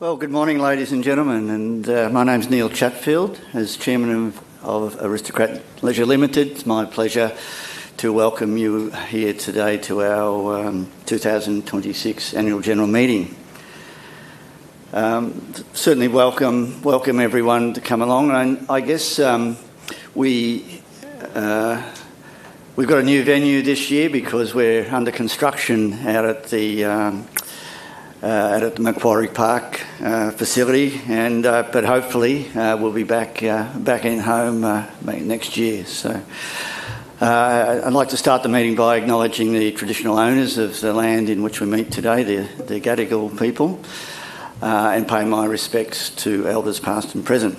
Well, good morning, ladies and gentlemen, and my name is Neil Chatfield. As Chairman of Aristocrat Leisure Limited, it's my pleasure to welcome you here today to our 2026 Annual General Meeting. Certainly welcome, welcome everyone to come along, and I guess we've got a new venue this year because we're under construction out at the Macquarie Park facility, and but hopefully we'll be back, back in home, maybe next year. So, I'd like to start the meeting by acknowledging the traditional owners of the land in which we meet today, the Gadigal people, and pay my respects to elders past and present.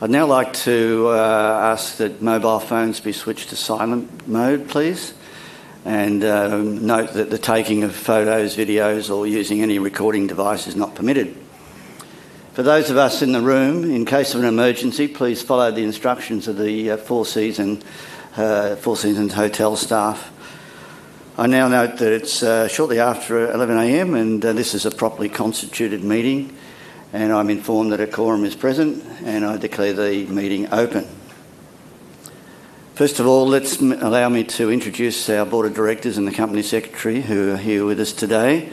I'd now like to ask that mobile phones be switched to silent mode, please, and note that the taking of photos, videos, or using any recording device is not permitted. For those of us in the room, in case of an emergency, please follow the instructions of the Four Seasons Hotel staff. I now note that it's shortly after 11 A.M., and this is a properly constituted meeting, and I'm informed that a quorum is present, and I declare the meeting open. First of all, allow me to introduce our board of directors and the company secretary who are here with us today.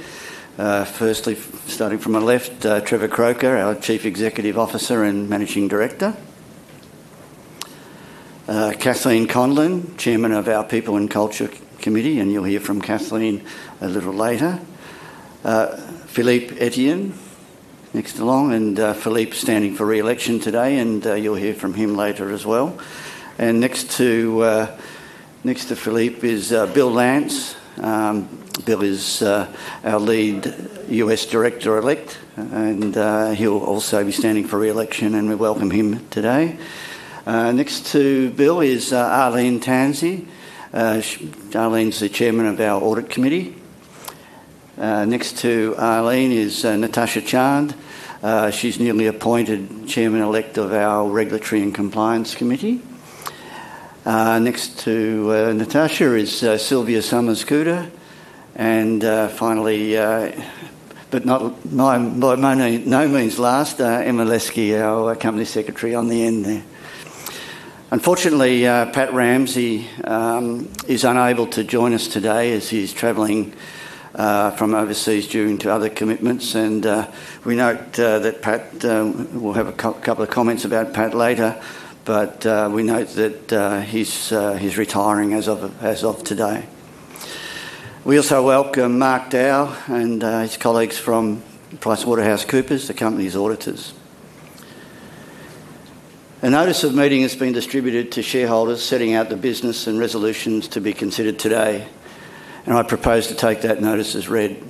Firstly, starting from my left, Trevor Croker, our Chief Executive Officer and Managing Director. Kathleen Conlon, Chairman of our People and Culture Committee, and you'll hear from Kathleen a little later. Philippe Etienne, next along, and Philippe's standing for re-election today, and you'll hear from him later as well. Next to Philippe is Bill Lance. Bill is our lead U.S. director elect, and he'll also be standing for re-election, and we welcome him today. Next to Bill is Arlene Tansey. Arlene's the Chairman of our Audit Committee. Next to Arlene is Natasha Chand. She's newly appointed Chairman elect of our Regulatory and Compliance Committee. Next to Natasha is Sylvia Summers Couder, and finally, but not by no means last, Emma Leske, our Company Secretary on the end there. Unfortunately, Pat Ramsey is unable to join us today as he's traveling from overseas due to other commitments, and we note that Pat. We'll have a couple of comments about Pat later, but we note that he's retiring as of today. We also welcome Mark Dow and his colleagues from PricewaterhouseCoopers, the company's auditors. A notice of meeting has been distributed to shareholders, setting out the business and resolutions to be considered today, and I propose to take that notice as read.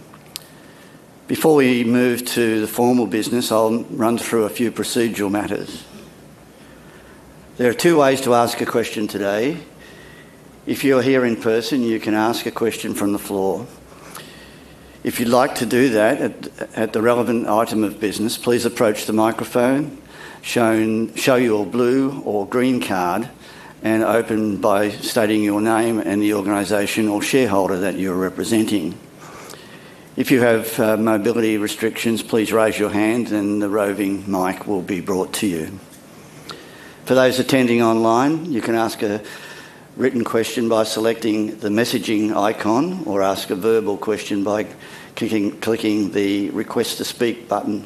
Before we move to the formal business, I'll run through a few procedural matters. There are two ways to ask a question today. If you're here in person, you can ask a question from the floor. If you'd like to do that at the relevant item of business, please approach the microphone. Show your blue or green card, and open by stating your name and the organization or shareholder that you're representing. If you have mobility restrictions, please raise your hand and the roving mic will be brought to you. For those attending online, you can ask a written question by selecting the messaging icon or ask a verbal question by clicking the Request to Speak button.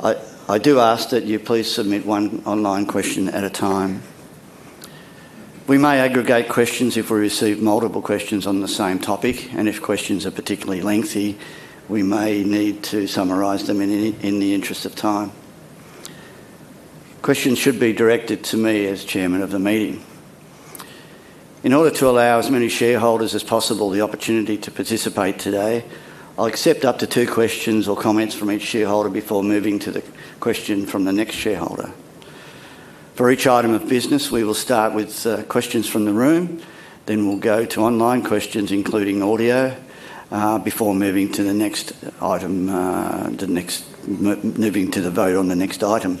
I do ask that you please submit one online question at a time. We may aggregate questions if we receive multiple questions on the same topic, and if questions are particularly lengthy, we may need to summarize them in the interest of time. Questions should be directed to me as chairman of the meeting. In order to allow as many shareholders as possible the opportunity to participate today, I'll accept up to two questions or comments from each shareholder before moving to the question from the next shareholder. For each item of business, we will start with questions from the room, then we'll go to online questions, including audio, before moving to the next item, moving to the vote on the next item.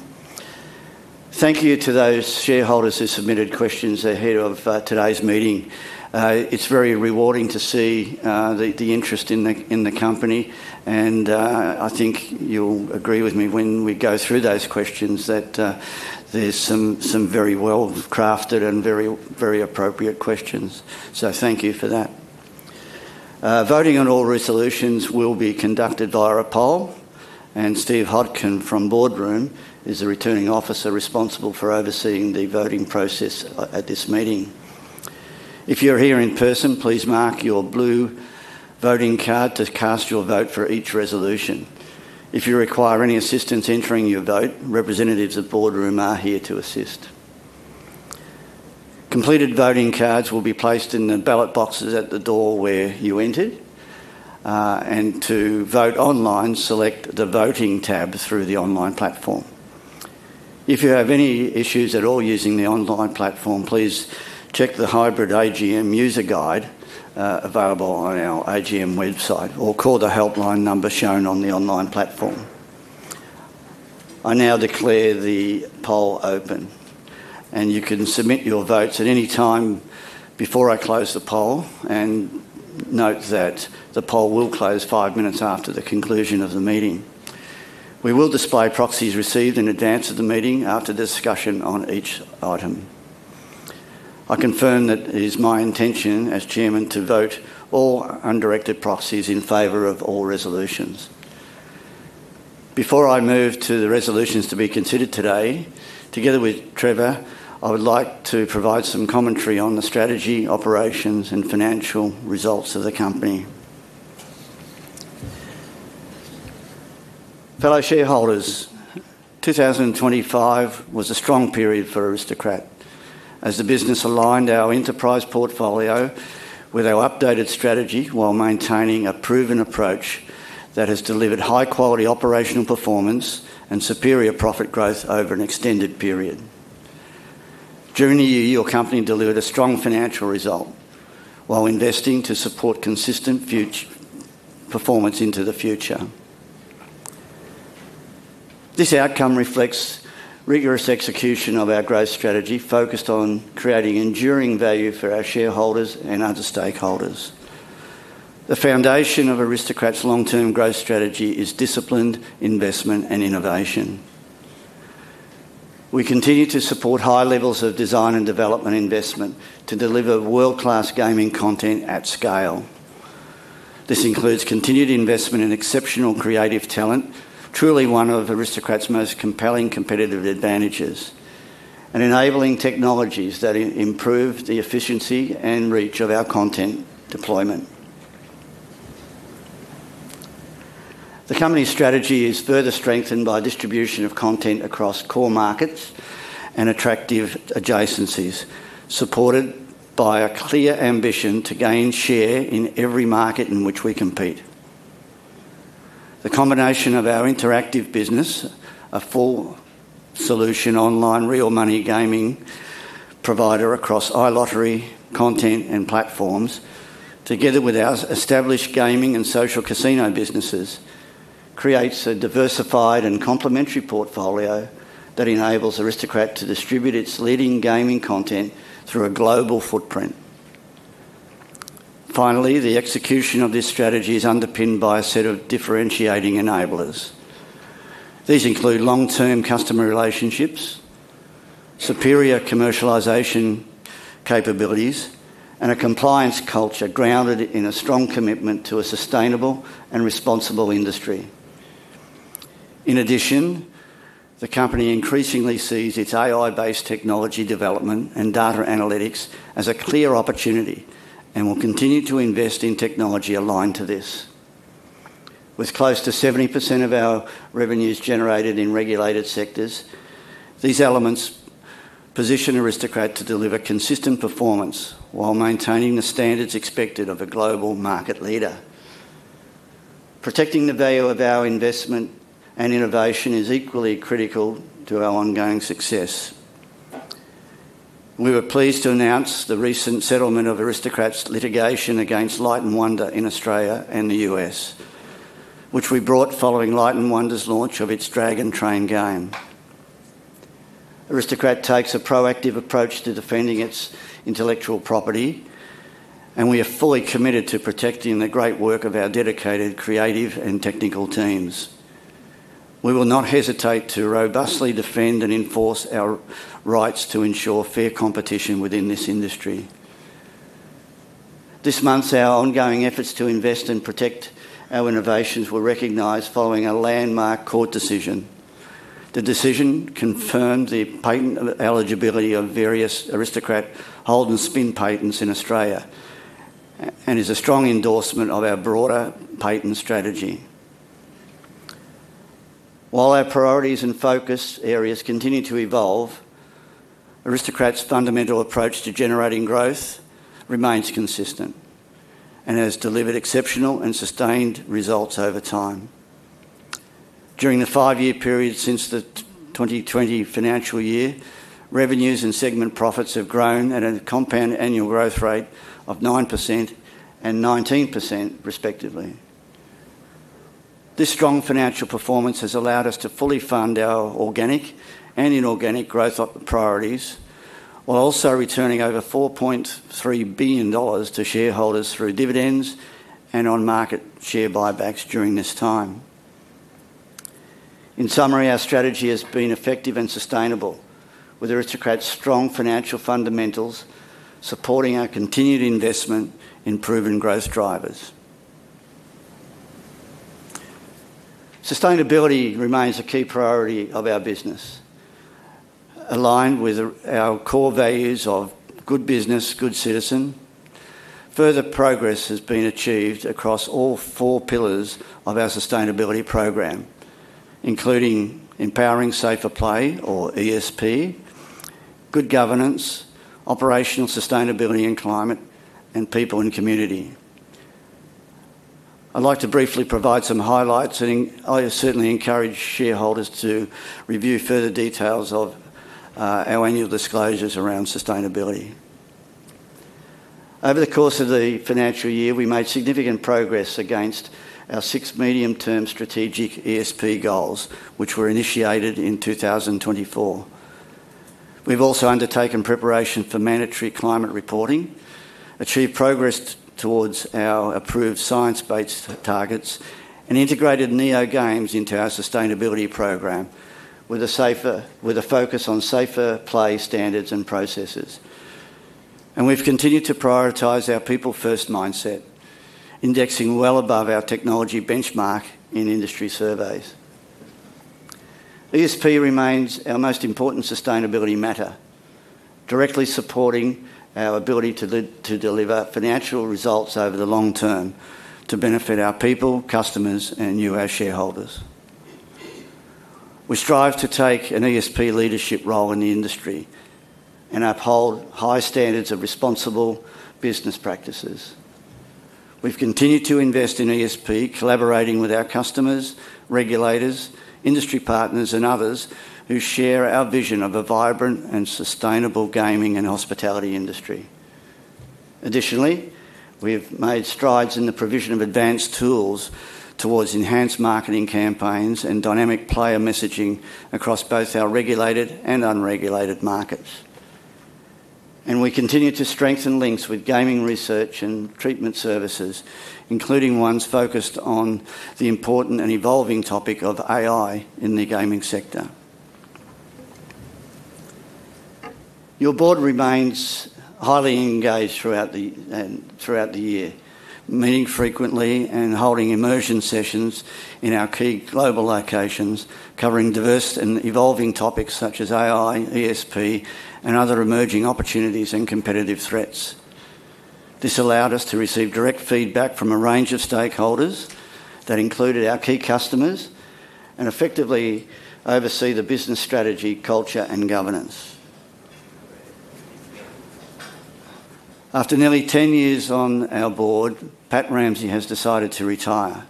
Thank you to those shareholders who submitted questions ahead of today's meeting. It's very rewarding to see the interest in the company, and I think you'll agree with me when we go through those questions that there's some very well-crafted and very appropriate questions. So thank you for that. Voting on all resolutions will be conducted via a poll, and Steve Hodkin from Boardroom is the Returning Officer responsible for overseeing the voting process at this meeting. If you're here in person, please mark your blue voting card to cast your vote for each resolution. If you require any assistance entering your vote, representatives at Boardroom are here to assist. Completed voting cards will be placed in the ballot boxes at the door where you entered. And to vote online, select the Voting tab through the online platform. If you have any issues at all using the online platform, please check the hybrid AGM user guide, available on our AGM website, or call the helpline number shown on the online platform. I now declare the poll open, and you can submit your votes at any time before I close the poll, and note that the poll will close five minutes after the conclusion of the meeting. We will display proxies received in advance of the meeting after discussion on each item. I confirm that it is my intention as chairman to vote all undirected proxies in favor of all resolutions. Before I move to the resolutions to be considered today, together with Trevor, I would like to provide some commentary on the strategy, operations, and financial results of the company. Fellow shareholders, 2025 was a strong period for Aristocrat, as the business aligned our enterprise portfolio with our updated strategy while maintaining a proven approach that has delivered high-quality operational performance and superior profit growth over an extended period. During the year, your company delivered a strong financial result while investing to support consistent future performance into the future. This outcome reflects rigorous execution of our growth strategy, focused on creating enduring value for our shareholders and other stakeholders. The foundation of Aristocrat's long-term growth strategy is disciplined investment and innovation. We continue to support high levels of design and development investment to deliver world-class gaming content at scale. This includes continued investment in exceptional creative talent, truly one of Aristocrat's most compelling competitive advantages, and enabling technologies that improve the efficiency and reach of our content deployment. The company's strategy is further strengthened by distribution of content across core markets and attractive adjacencies, supported by a clear ambition to gain share in every market in which we compete. The combination of our interactive business, a full solution online real money gaming provider across iLottery content and platforms, together with our established gaming and social casino businesses, creates a diversified and complementary portfolio that enables Aristocrat to distribute its leading gaming content through a global footprint. Finally, the execution of this strategy is underpinned by a set of differentiating enablers. These include long-term customer relationships, superior commercialization capabilities, and a compliance culture grounded in a strong commitment to a sustainable and responsible industry. In addition, the company increasingly sees its AI-based technology development and data analytics as a clear opportunity and will continue to invest in technology aligned to this. With close to 70% of our revenues generated in regulated sectors, these elements position Aristocrat to deliver consistent performance while maintaining the standards expected of a global market leader. Protecting the value of our investment and innovation is equally critical to our ongoing success. We were pleased to announce the recent settlement of Aristocrat's litigation against Light & Wonder in Australia and the U.S., which we brought following Light & Wonder's launch of its Dragon Train game. Aristocrat takes a proactive approach to defending its intellectual property, and we are fully committed to protecting the great work of our dedicated, creative, and technical teams. We will not hesitate to robustly defend and enforce our rights to ensure fair competition within this industry. This month, our ongoing efforts to invest and protect our innovations were recognized following a landmark court decision. The decision confirmed the patent eligibility of various Aristocrat Hold-and-Spin patents in Australia and is a strong endorsement of our broader patent strategy. While our priorities and focus areas continue to evolve, Aristocrat's fundamental approach to generating growth remains consistent and has delivered exceptional and sustained results over time. During the five-year period since the 2020 financial year, revenues and segment profits have grown at a compound annual growth rate of 9% and 19%, respectively. This strong financial performance has allowed us to fully fund our organic and inorganic growth priorities, while also returning over 4.3 billion dollars to shareholders through dividends and on-market share buybacks during this time. In summary, our strategy has been effective and sustainable, with Aristocrat's strong financial fundamentals supporting our continued investment in proven growth drivers. Sustainability remains a key priority of our business. Aligned with our core values of good business, good citizen, further progress has been achieved across all four pillars of our sustainability program, including Empowering Safer Play, or ESP, good governance, operational sustainability and climate, and people and community. I'd like to briefly provide some highlights, and I certainly encourage shareholders to review further details of our annual disclosures around sustainability. Over the course of the financial year, we made significant progress against our six medium-term strategic ESP goals, which were initiated in 2024. We've also undertaken preparation for mandatory climate reporting, achieved progress towards our approved science-based targets, and integrated NeoGames into our sustainability program, with a focus on safer play standards and processes. We've continued to prioritize our people-first mindset, indexing well above our technology benchmark in industry surveys. ESP remains our most important sustainability matter, directly supporting our ability to deliver financial results over the long term to benefit our people, customers, and you, our shareholders. We strive to take an ESP leadership role in the industry and uphold high standards of responsible business practices. We've continued to invest in ESP, collaborating with our customers, regulators, industry partners, and others who share our vision of a vibrant and sustainable gaming and hospitality industry. Additionally, we've made strides in the provision of advanced tools towards enhanced marketing campaigns and dynamic player messaging across both our regulated and unregulated markets. We continue to strengthen links with gaming research and treatment services, including ones focused on the important and evolving topic of AI in the gaming sector. Your board remains highly engaged throughout the and throughout the year, meeting frequently and holding immersion sessions in our key global locations, covering diverse and evolving topics such as AI, ESP, and other emerging opportunities and competitive threats. This allowed us to receive direct feedback from a range of stakeholders that included our key customers, and effectively oversee the business strategy, culture, and governance. After nearly ten years on our board, Pat Ramsey has decided to retire.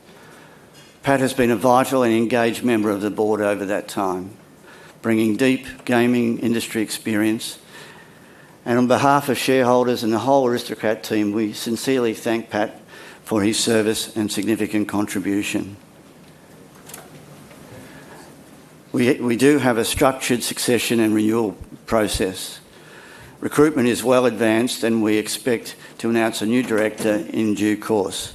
Pat has been a vital and engaged member of the board over that time, bringing deep gaming industry experience. On behalf of shareholders and the whole Aristocrat team, we sincerely thank Pat for his service and significant contribution. We do have a structured succession and renewal process. Recruitment is well advanced, and we expect to announce a new director in due course.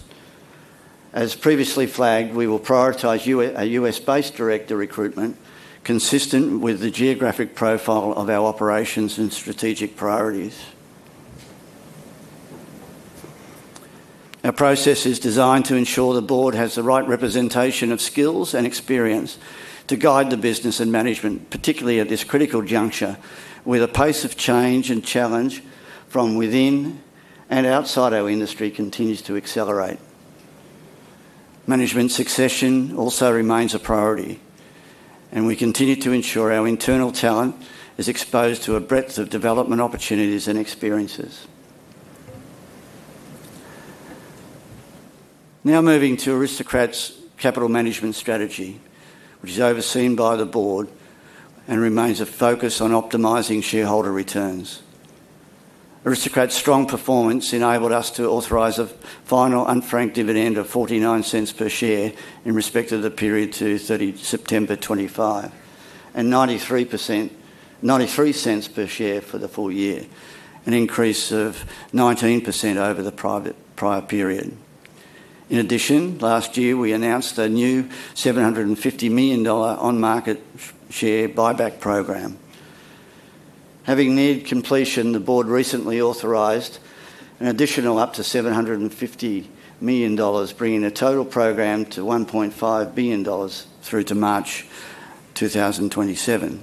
As previously flagged, we will prioritize a U.S.-based director recruitment, consistent with the geographic profile of our operations and strategic priorities. Our process is designed to ensure the board has the right representation of skills and experience to guide the business and management, particularly at this critical juncture, where the pace of change and challenge from within and outside our industry continues to accelerate. Management succession also remains a priority, and we continue to ensure our internal talent is exposed to a breadth of development opportunities and experiences. Now moving to Aristocrat's capital management strategy, which is overseen by the board and remains a focus on optimizing shareholder returns. Aristocrat's strong performance enabled us to authorize a final unfranked dividend of 0.49 per share in respect of the period to 30 September 2025, and 0.93 per share for the full year, an increase of 19% over the prior period. In addition, last year, we announced a new 750 million dollar on-market share buyback program. Having near completion, the board recently authorized an additional up to 750 million dollars, bringing the total program to 1.5 billion dollars through to March 2027.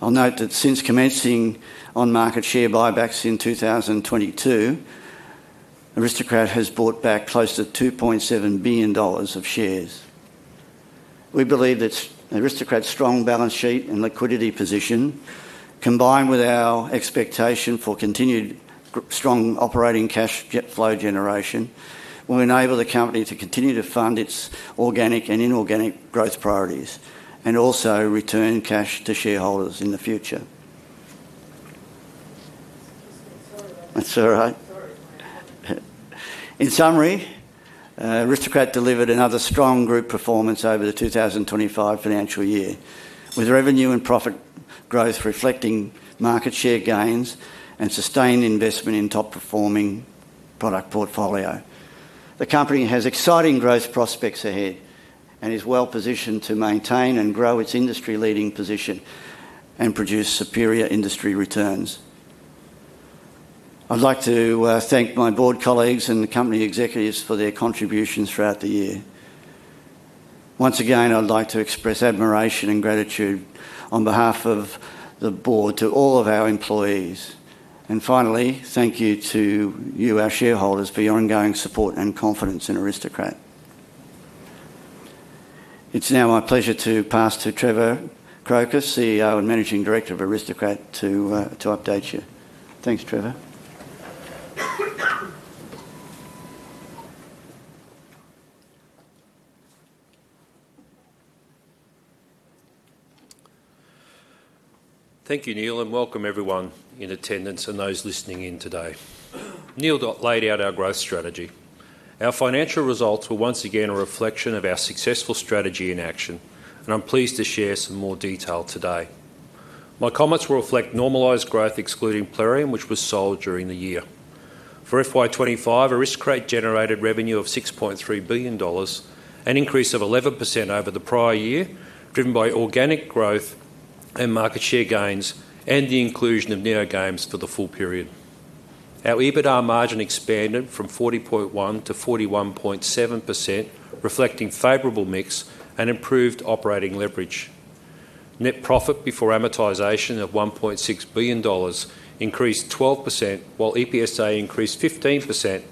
I'll note that since commencing on-market share buybacks in 2022, Aristocrat has bought back close to 2.7 billion dollars of shares. We believe that Aristocrat's strong balance sheet and liquidity position, combined with our expectation for continued strong operating cash flow generation, will enable the company to continue to fund its organic and inorganic growth priorities, and also return cash to shareholders in the future. Sorry about that. That's all right. Sorry. In summary, Aristocrat delivered another strong group performance over the 2025 financial year, with revenue and profit growth reflecting market share gains and sustained investment in top-performing product portfolio. The company has exciting growth prospects ahead and is well-positioned to maintain and grow its industry-leading position and produce superior industry returns. I'd like to thank my board colleagues and the company executives for their contributions throughout the year. Once again, I'd like to express admiration and gratitude on behalf of the board to all of our employees. And finally, thank you to you, our shareholders, for your ongoing support and confidence in Aristocrat. It's now my pleasure to pass to Trevor Croker, CEO and Managing Director of Aristocrat, to update you. Thanks, Trevor. Thank you, Neil, and welcome everyone in attendance and those listening in today. Neil laid out our growth strategy. Our financial results were once again a reflection of our successful strategy in action, and I'm pleased to share some more detail today. My comments will reflect normalized growth, excluding Plarium, which was sold during the year. For FY 2025, Aristocrat generated revenue of 6.3 billion dollars, an increase of 11% over the prior year, driven by organic growth and market share gains, and the inclusion of NeoGames for the full period. Our EBITDA margin expanded from 40.1% to 41.7%, reflecting favorable mix and improved operating leverage. Net profit before amortization of 1.6 billion dollars increased 12%, while EPSA increased 15%,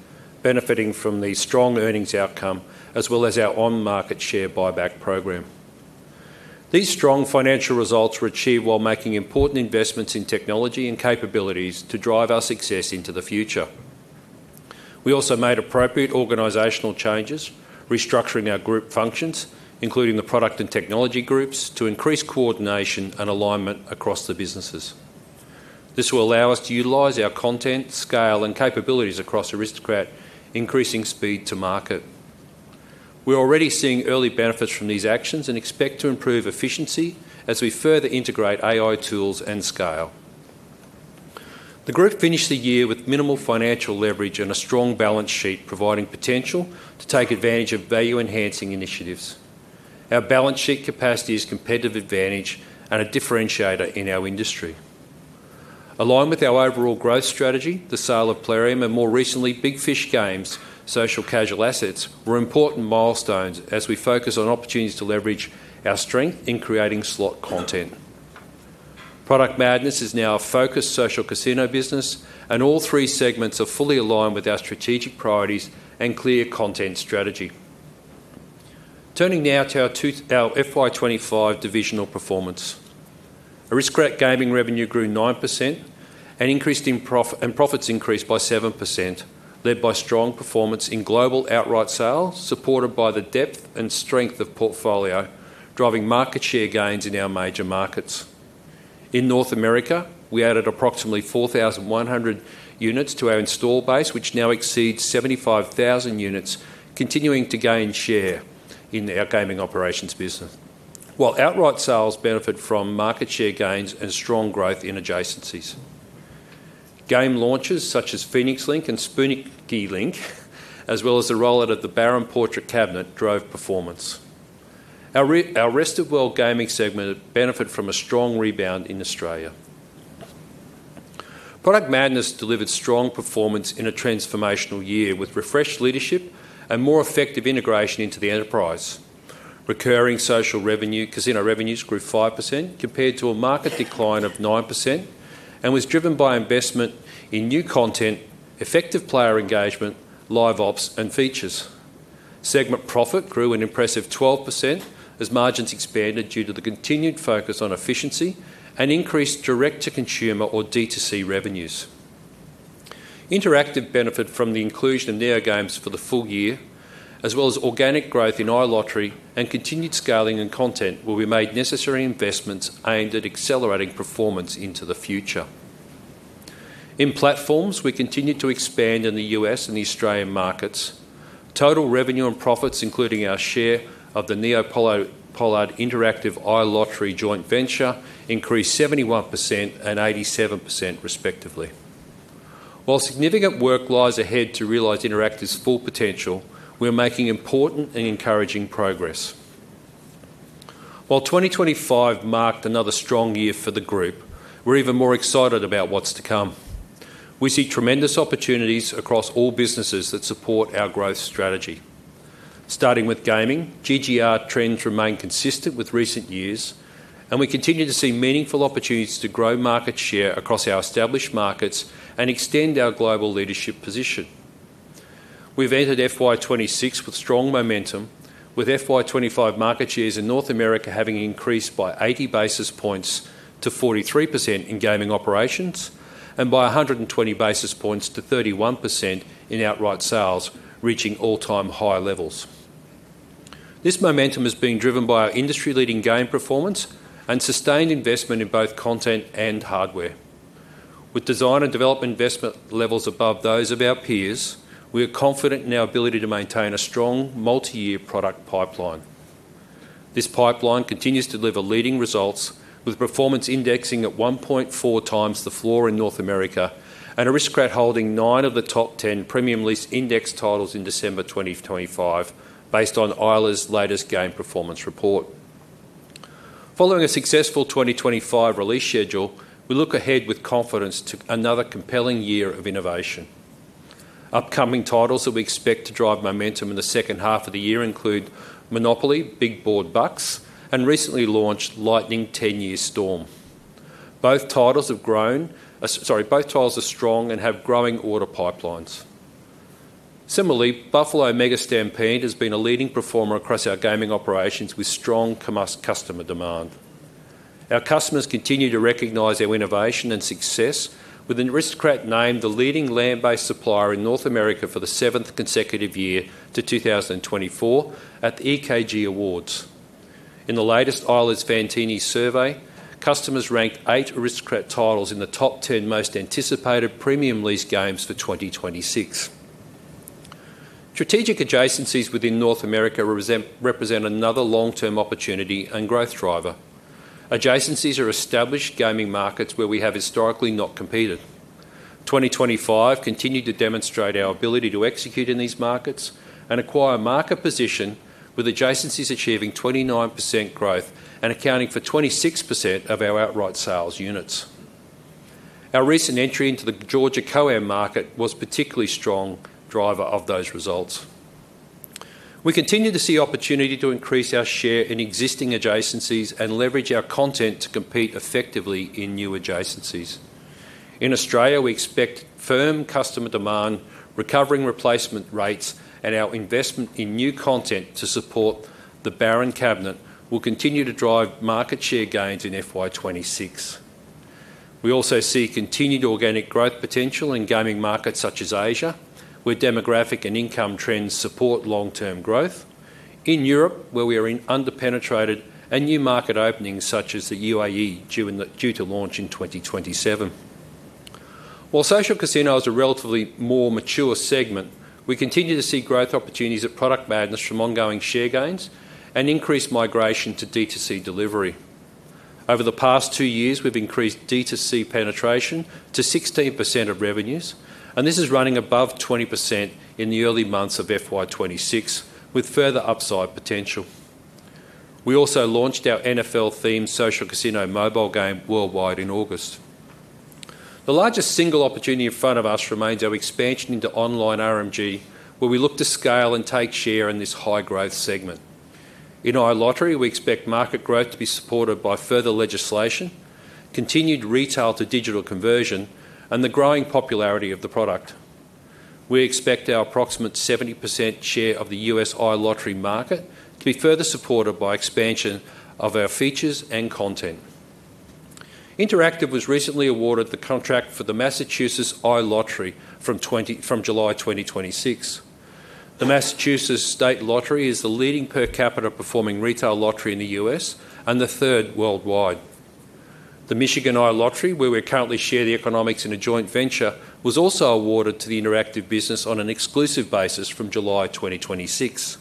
benefiting from the strong earnings outcome, as well as our on-market share buyback program. These strong financial results were achieved while making important investments in technology and capabilities to drive our success into the future. We also made appropriate organizational changes, restructuring our group functions, including the product and technology groups, to increase coordination and alignment across the businesses. This will allow us to utilize our content, scale, and capabilities across Aristocrat, increasing speed to market. We're already seeing early benefits from these actions and expect to improve efficiency as we further integrate AI tools and scale. The group finished the year with minimal financial leverage and a strong balance sheet, providing potential to take advantage of value-enhancing initiatives. Our balance sheet capacity is competitive advantage and a differentiator in our industry. Aligned with our overall growth strategy, the sale of Plarium and more recently, Big Fish Games' social casual assets, were important milestones as we focus on opportunities to leverage our strength in creating slot content. Product Madness is now a focused social casino business, and all three segments are fully aligned with our strategic priorities and clear content strategy. Turning now to our FY 2025 divisional performance. Aristocrat Gaming revenue grew 9% and increased in profit, and profits increased by 7%, led by strong performance in global outright sales, supported by the depth and strength of portfolio, driving market share gains in our major markets. In North America, we added approximately 4,100 units to our install base, which now exceeds 75,000 units, continuing to gain share in our gaming operations business. While outright sales benefit from market share gains and strong growth in adjacencies. Game launches, such as Phoenix Link and Spooniki Link, as well as the rollout of the Baron Portrait Cabinet, drove performance. Our our Rest of World gaming segment benefit from a strong rebound in Australia. Product Madness delivered strong performance in a transformational year, with refreshed leadership and more effective integration into the enterprise. Recurring social revenue, casino revenues grew 5%, compared to a market decline of 9%, and was driven by investment in new content, effective player engagement, Live Ops, and features. Segment profit grew an impressive 12% as margins expanded due to the continued focus on efficiency and increased direct-to-consumer, or D2C, revenues. Interactive benefited from the inclusion of NeoGames for the full year, as well as organic growth in iLottery and continued scaling in content, where we made necessary investments aimed at accelerating performance into the future. In platforms, we continued to expand in the U.S. and the Australian markets. Total revenue and profits, including our share of the NeoPollard, Pollard Interactive iLottery joint venture, increased 71% and 87%, respectively. While significant work lies ahead to realize Interactive's full potential, we're making important and encouraging progress. While 2025 marked another strong year for the group, we're even more excited about what's to come. We see tremendous opportunities across all businesses that support our growth strategy. Starting with gaming, GGR trends remain consistent with recent years, and we continue to see meaningful opportunities to grow market share across our established markets and extend our global leadership position. We've entered FY 2026 with strong momentum, with FY 2025 market shares in North America having increased by 80 basis points to 43% in gaming operations, and by 120 basis points to 31% in outright sales, reaching all-time high levels. This momentum is being driven by our industry-leading game performance and sustained investment in both content and hardware. With design and development investment levels above those of our peers, we are confident in our ability to maintain a strong multi-year product pipeline. This pipeline continues to deliver leading results, with performance indexing at 1.4x the floor in North America, and Aristocrat holding nine of the top 10 premium list index titles in December 2025, based on Eilers latest game performance report. Following a successful 2025 release schedule, we look ahead with confidence to another compelling year of innovation. Upcoming titles that we expect to drive momentum in the second half of the year include Monopoly Big Board Bucks and recently launched Lightning Ten-Year Storm. Both titles are strong and have growing order pipelines. Similarly, Buffalo Mega Stampede has been a leading performer across our gaming operations with strong customer demand. Our customers continue to recognize our innovation and success, with Aristocrat named the leading land-based supplier in North America for the seventh consecutive year to 2024 at the EKG Awards. In the latest Eilers & Krejcí survey, customers ranked eight Aristocrat titles in the top 10 most anticipated premium lease games for 2026. Strategic adjacencies within North America represent another long-term opportunity and growth driver. Adjacencies are established gaming markets where we have historically not competed. 2025 continued to demonstrate our ability to execute in these markets and acquire market position, with adjacencies achieving 29% growth and accounting for 26% of our outright sales units. Our recent entry into the Georgia COAM market was particularly strong driver of those results. We continue to see opportunity to increase our share in existing adjacencies and leverage our content to compete effectively in new adjacencies. In Australia, we expect firm customer demand, recovering replacement rates, and our investment in new content to support the Baron cabinet will continue to drive market share gains in FY 2026. We also see continued organic growth potential in gaming markets such as Asia, where demographic and income trends support long-term growth. In Europe, where we are in under-penetrated and new market openings, such as the UAE, due to launch in 2027. While social casino is a relatively more mature segment, we continue to see growth opportunities at Product Madness from ongoing share gains and increased migration to D2C delivery. Over the past 2 years, we've increased D2C penetration to 16% of revenues, and this is running above 20% in the early months of FY 2026, with further upside potential. We also launched our NFL-themed social casino mobile game worldwide in August. The largest single opportunity in front of us remains our expansion into online RMG, where we look to scale and take share in this high-growth segment. In iLottery, we expect market growth to be supported by further legislation, continued retail to digital conversion, and the growing popularity of the product. We expect our approximate 70% share of the U.S. iLottery market to be further supported by expansion of our features and content. Interactive was recently awarded the contract for the Massachusetts iLottery from July 2026. The Massachusetts State Lottery is the leading per capita performing retail lottery in the U.S. and the third worldwide. The Michigan iLottery, where we currently share the economics in a joint venture, was also awarded to the Interactive business on an exclusive basis from July 2026.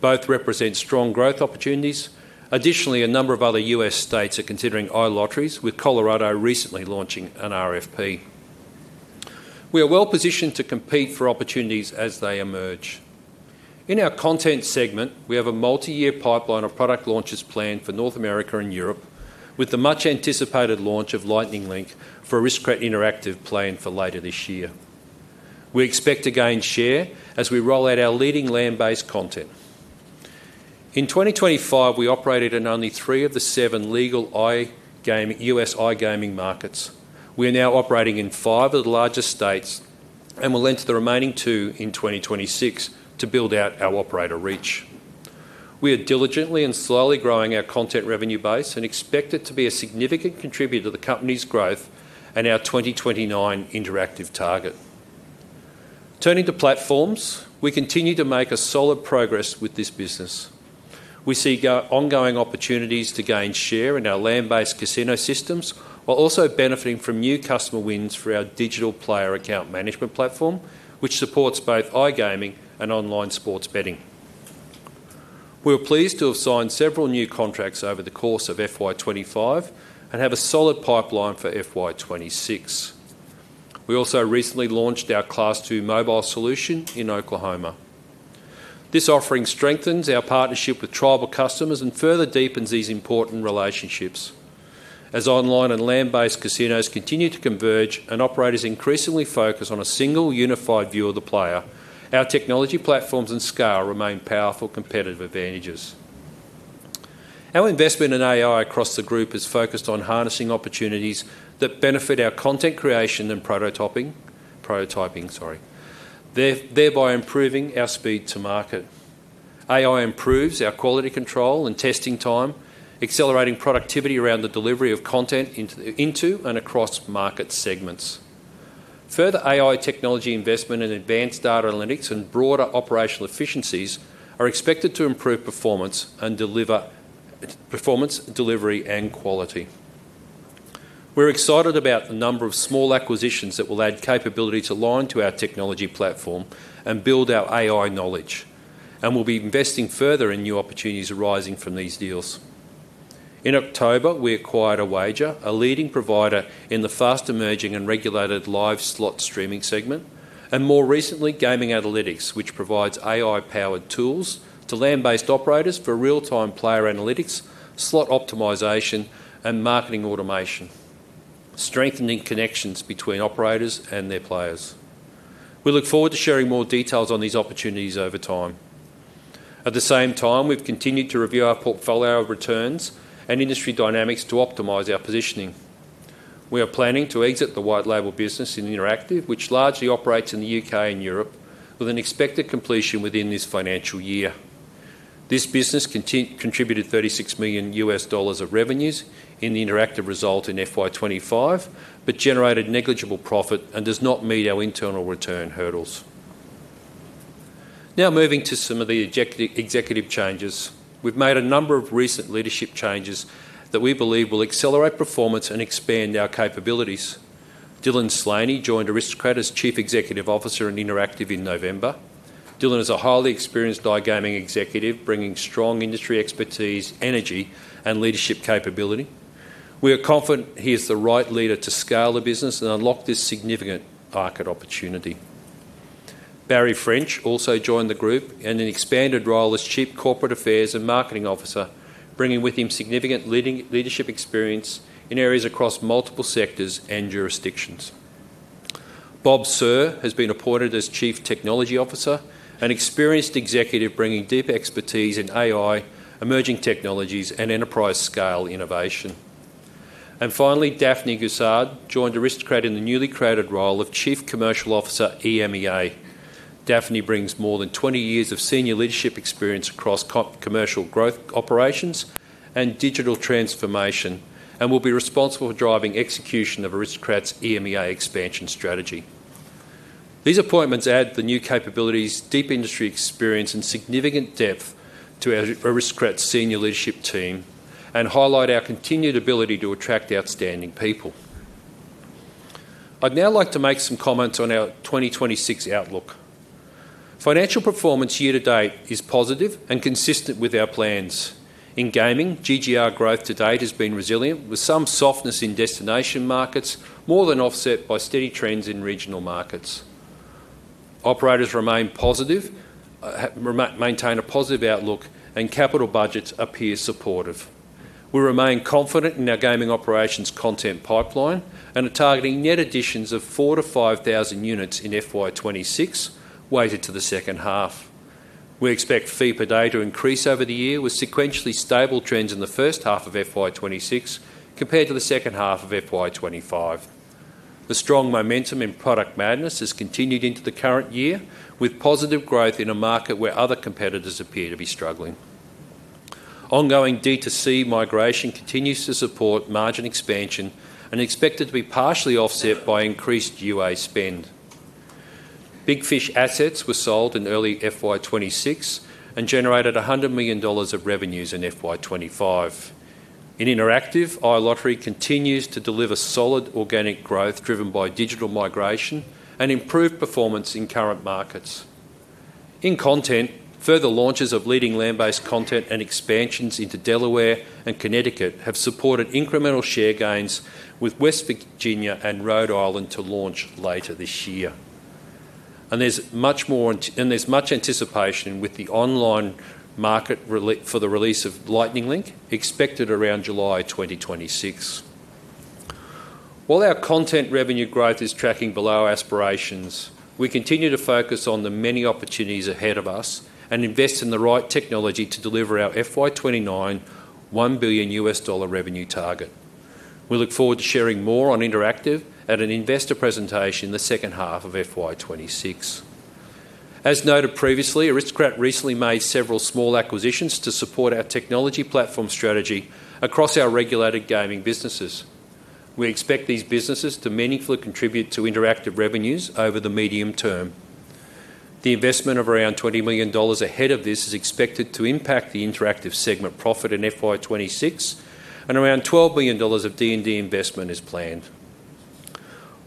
Both represent strong growth opportunities. Additionally, a number of other U.S. states are considering iLotteries, with Colorado recently launching an RFP. We are well positioned to compete for opportunities as they emerge. In our content segment, we have a multi-year pipeline of product launches planned for North America and Europe, with the much-anticipated launch of Lightning Link for Aristocrat Interactive planned for later this year. We expect to gain share as we roll out our leading land-based content. In 2025, we operated in only three of the seven legal U.S. iGaming markets. We are now operating in five of the largest states and will enter the remaining two in 2026 to build out our operator reach. We are diligently and slowly growing our content revenue base and expect it to be a significant contributor to the Company's growth and our 2029 interactive target. Turning to platforms, we continue to make solid progress with this business. We see ongoing opportunities to gain share in our land-based casino systems, while also benefiting from new customer wins through our digital player account management platform, which supports both iGaming and online sports betting. We were pleased to have signed several new contracts over the course of FY 2025 and have a solid pipeline for FY 2026. We also recently launched our Class II mobile solution in Oklahoma. This offering strengthens our partnership with tribal customers and further deepens these important relationships. As online and land-based casinos continue to converge and operators increasingly focus on a single, unified view of the player, our technology platforms and scale remain powerful competitive advantages. Our investment in AI across the group is focused on harnessing opportunities that benefit our content creation and prototyping, thereby improving our speed to market. AI improves our quality control and testing time, accelerating productivity around the delivery of content into and across market segments. Further AI technology investment in advanced data analytics and broader operational efficiencies are expected to improve performance, delivery, and quality. We're excited about the number of small acquisitions that will add capability to align to our technology platform and build our AI knowledge, and we'll be investing further in new opportunities arising from these deals. In October, we acquired Awager, a leading provider in the fast-emerging and regulated live slot streaming segment, and more recently, Gaming Analytics, which provides AI-powered tools to land-based operators for real-time player analytics, slot optimization, and marketing automation, strengthening connections between operators and their players. We look forward to sharing more details on these opportunities over time. At the same time, we've continued to review our portfolio of returns and industry dynamics to optimize our positioning. We are planning to exit the white label business in Interactive, which largely operates in the U.K. and Europe, with an expected completion within this financial year. This business contributed $36 million of revenues in the Interactive result in FY 2025, but generated negligible profit and does not meet our internal return hurdles. Now moving to some of the executive changes. We've made a number of recent leadership changes that we believe will accelerate performance and expand our capabilities. Dylan Slaney joined Aristocrat as Chief Executive Officer in Interactive in November. Dylan is a highly experienced iGaming executive, bringing strong industry expertise, energy, and leadership capability. We are confident he is the right leader to scale the business and unlock this significant market opportunity. Barry French also joined the group in an expanded role as Chief Corporate Affairs and Marketing Officer, bringing with him significant leadership experience in areas across multiple sectors and jurisdictions. Bob Suh has been appointed as Chief Technology Officer, an experienced executive bringing deep expertise in AI, emerging technologies, and enterprise-scale innovation. And finally, Daphne Guisard joined Aristocrat in the newly created role of Chief Commercial Officer, EMEA. Daphne brings more than 20 years of senior leadership experience across commercial growth operations and digital transformation, and will be responsible for driving execution of Aristocrat's EMEA expansion strategy. These appointments add the new capabilities, deep industry experience, and significant depth to our Aristocrat senior leadership team, and highlight our continued ability to attract outstanding people. I'd now like to make some comments on our 2026 outlook. Financial performance year to date is positive and consistent with our plans. In gaming, GGR growth to date has been resilient, with some softness in destination markets more than offset by steady trends in regional markets. Operators remain positive, maintain a positive outlook, and capital budgets appear supportive. We remain confident in our gaming operations content pipeline and are targeting net additions of 4-5,000 units in FY 2026, weighted to the second half. We expect Fee Per Day to increase over the year, with sequentially stable trends in the first half of FY 2026 compared to the second half of FY 2025. The strong momentum in Product Madness has continued into the current year, with positive growth in a market where other competitors appear to be struggling. Ongoing D2C migration continues to support margin expansion and expected to be partially offset by increased UA spend. Big Fish assets were sold in early FY 2026 and generated $100 million of revenues in FY 2025. In Interactive, iLottery continues to deliver solid organic growth, driven by digital migration and improved performance in current markets. In Content, further launches of leading land-based content and expansions into Delaware and Connecticut have supported incremental share gains with West Virginia and Rhode Island to launch later this year. And there's much more and there's much anticipation with the online market for the release of Lightning Link, expected around July 2026. While our content revenue growth is tracking below aspirations, we continue to focus on the many opportunities ahead of us and invest in the right technology to deliver our FY 2029 $1 billion revenue target. We look forward to sharing more on Interactive at an investor presentation in the second half of FY 2026. As noted previously, Aristocrat recently made several small acquisitions to support our technology platform strategy across our regulated gaming businesses. We expect these businesses to meaningfully contribute to Interactive revenues over the medium term. The investment of around $20 million ahead of this is expected to impact the Interactive segment profit in FY 2026, and around $12 million of D&D investment is planned.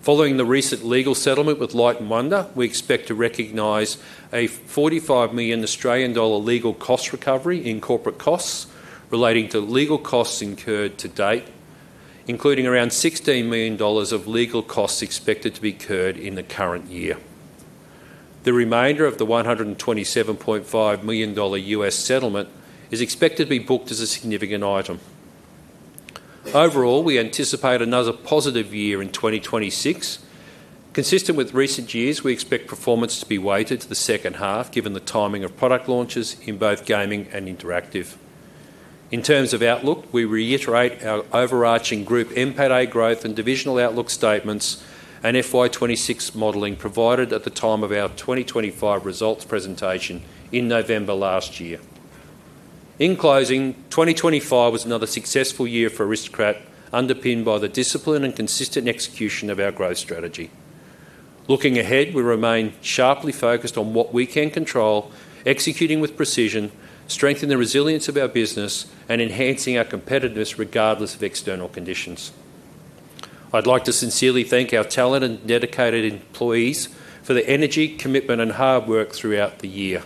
Following the recent legal settlement with Light & Wonder, we expect to recognize 45 million Australian dollar legal cost recovery in corporate costs relating to legal costs incurred to date, including around $16 million of legal costs expected to be incurred in the current year. The remainder of the $127.5 million settlement is expected to be booked as a significant item. Overall, we anticipate another positive year in 2026. Consistent with recent years, we expect performance to be weighted to the second half, given the timing of product launches in both Gaming and Interactive. In terms of outlook, we reiterate our overarching group NPAT growth and divisional outlook statements and FY 2026 modeling provided at the time of our 2025 results presentation in November last year. In closing, 2025 was another successful year for Aristocrat, underpinned by the discipline and consistent execution of our growth strategy. Looking ahead, we remain sharply focused on what we can control, executing with precision, strengthen the resilience of our business, and enhancing our competitiveness regardless of external conditions. I'd like to sincerely thank our talented and dedicated employees for their energy, commitment, and hard work throughout the year.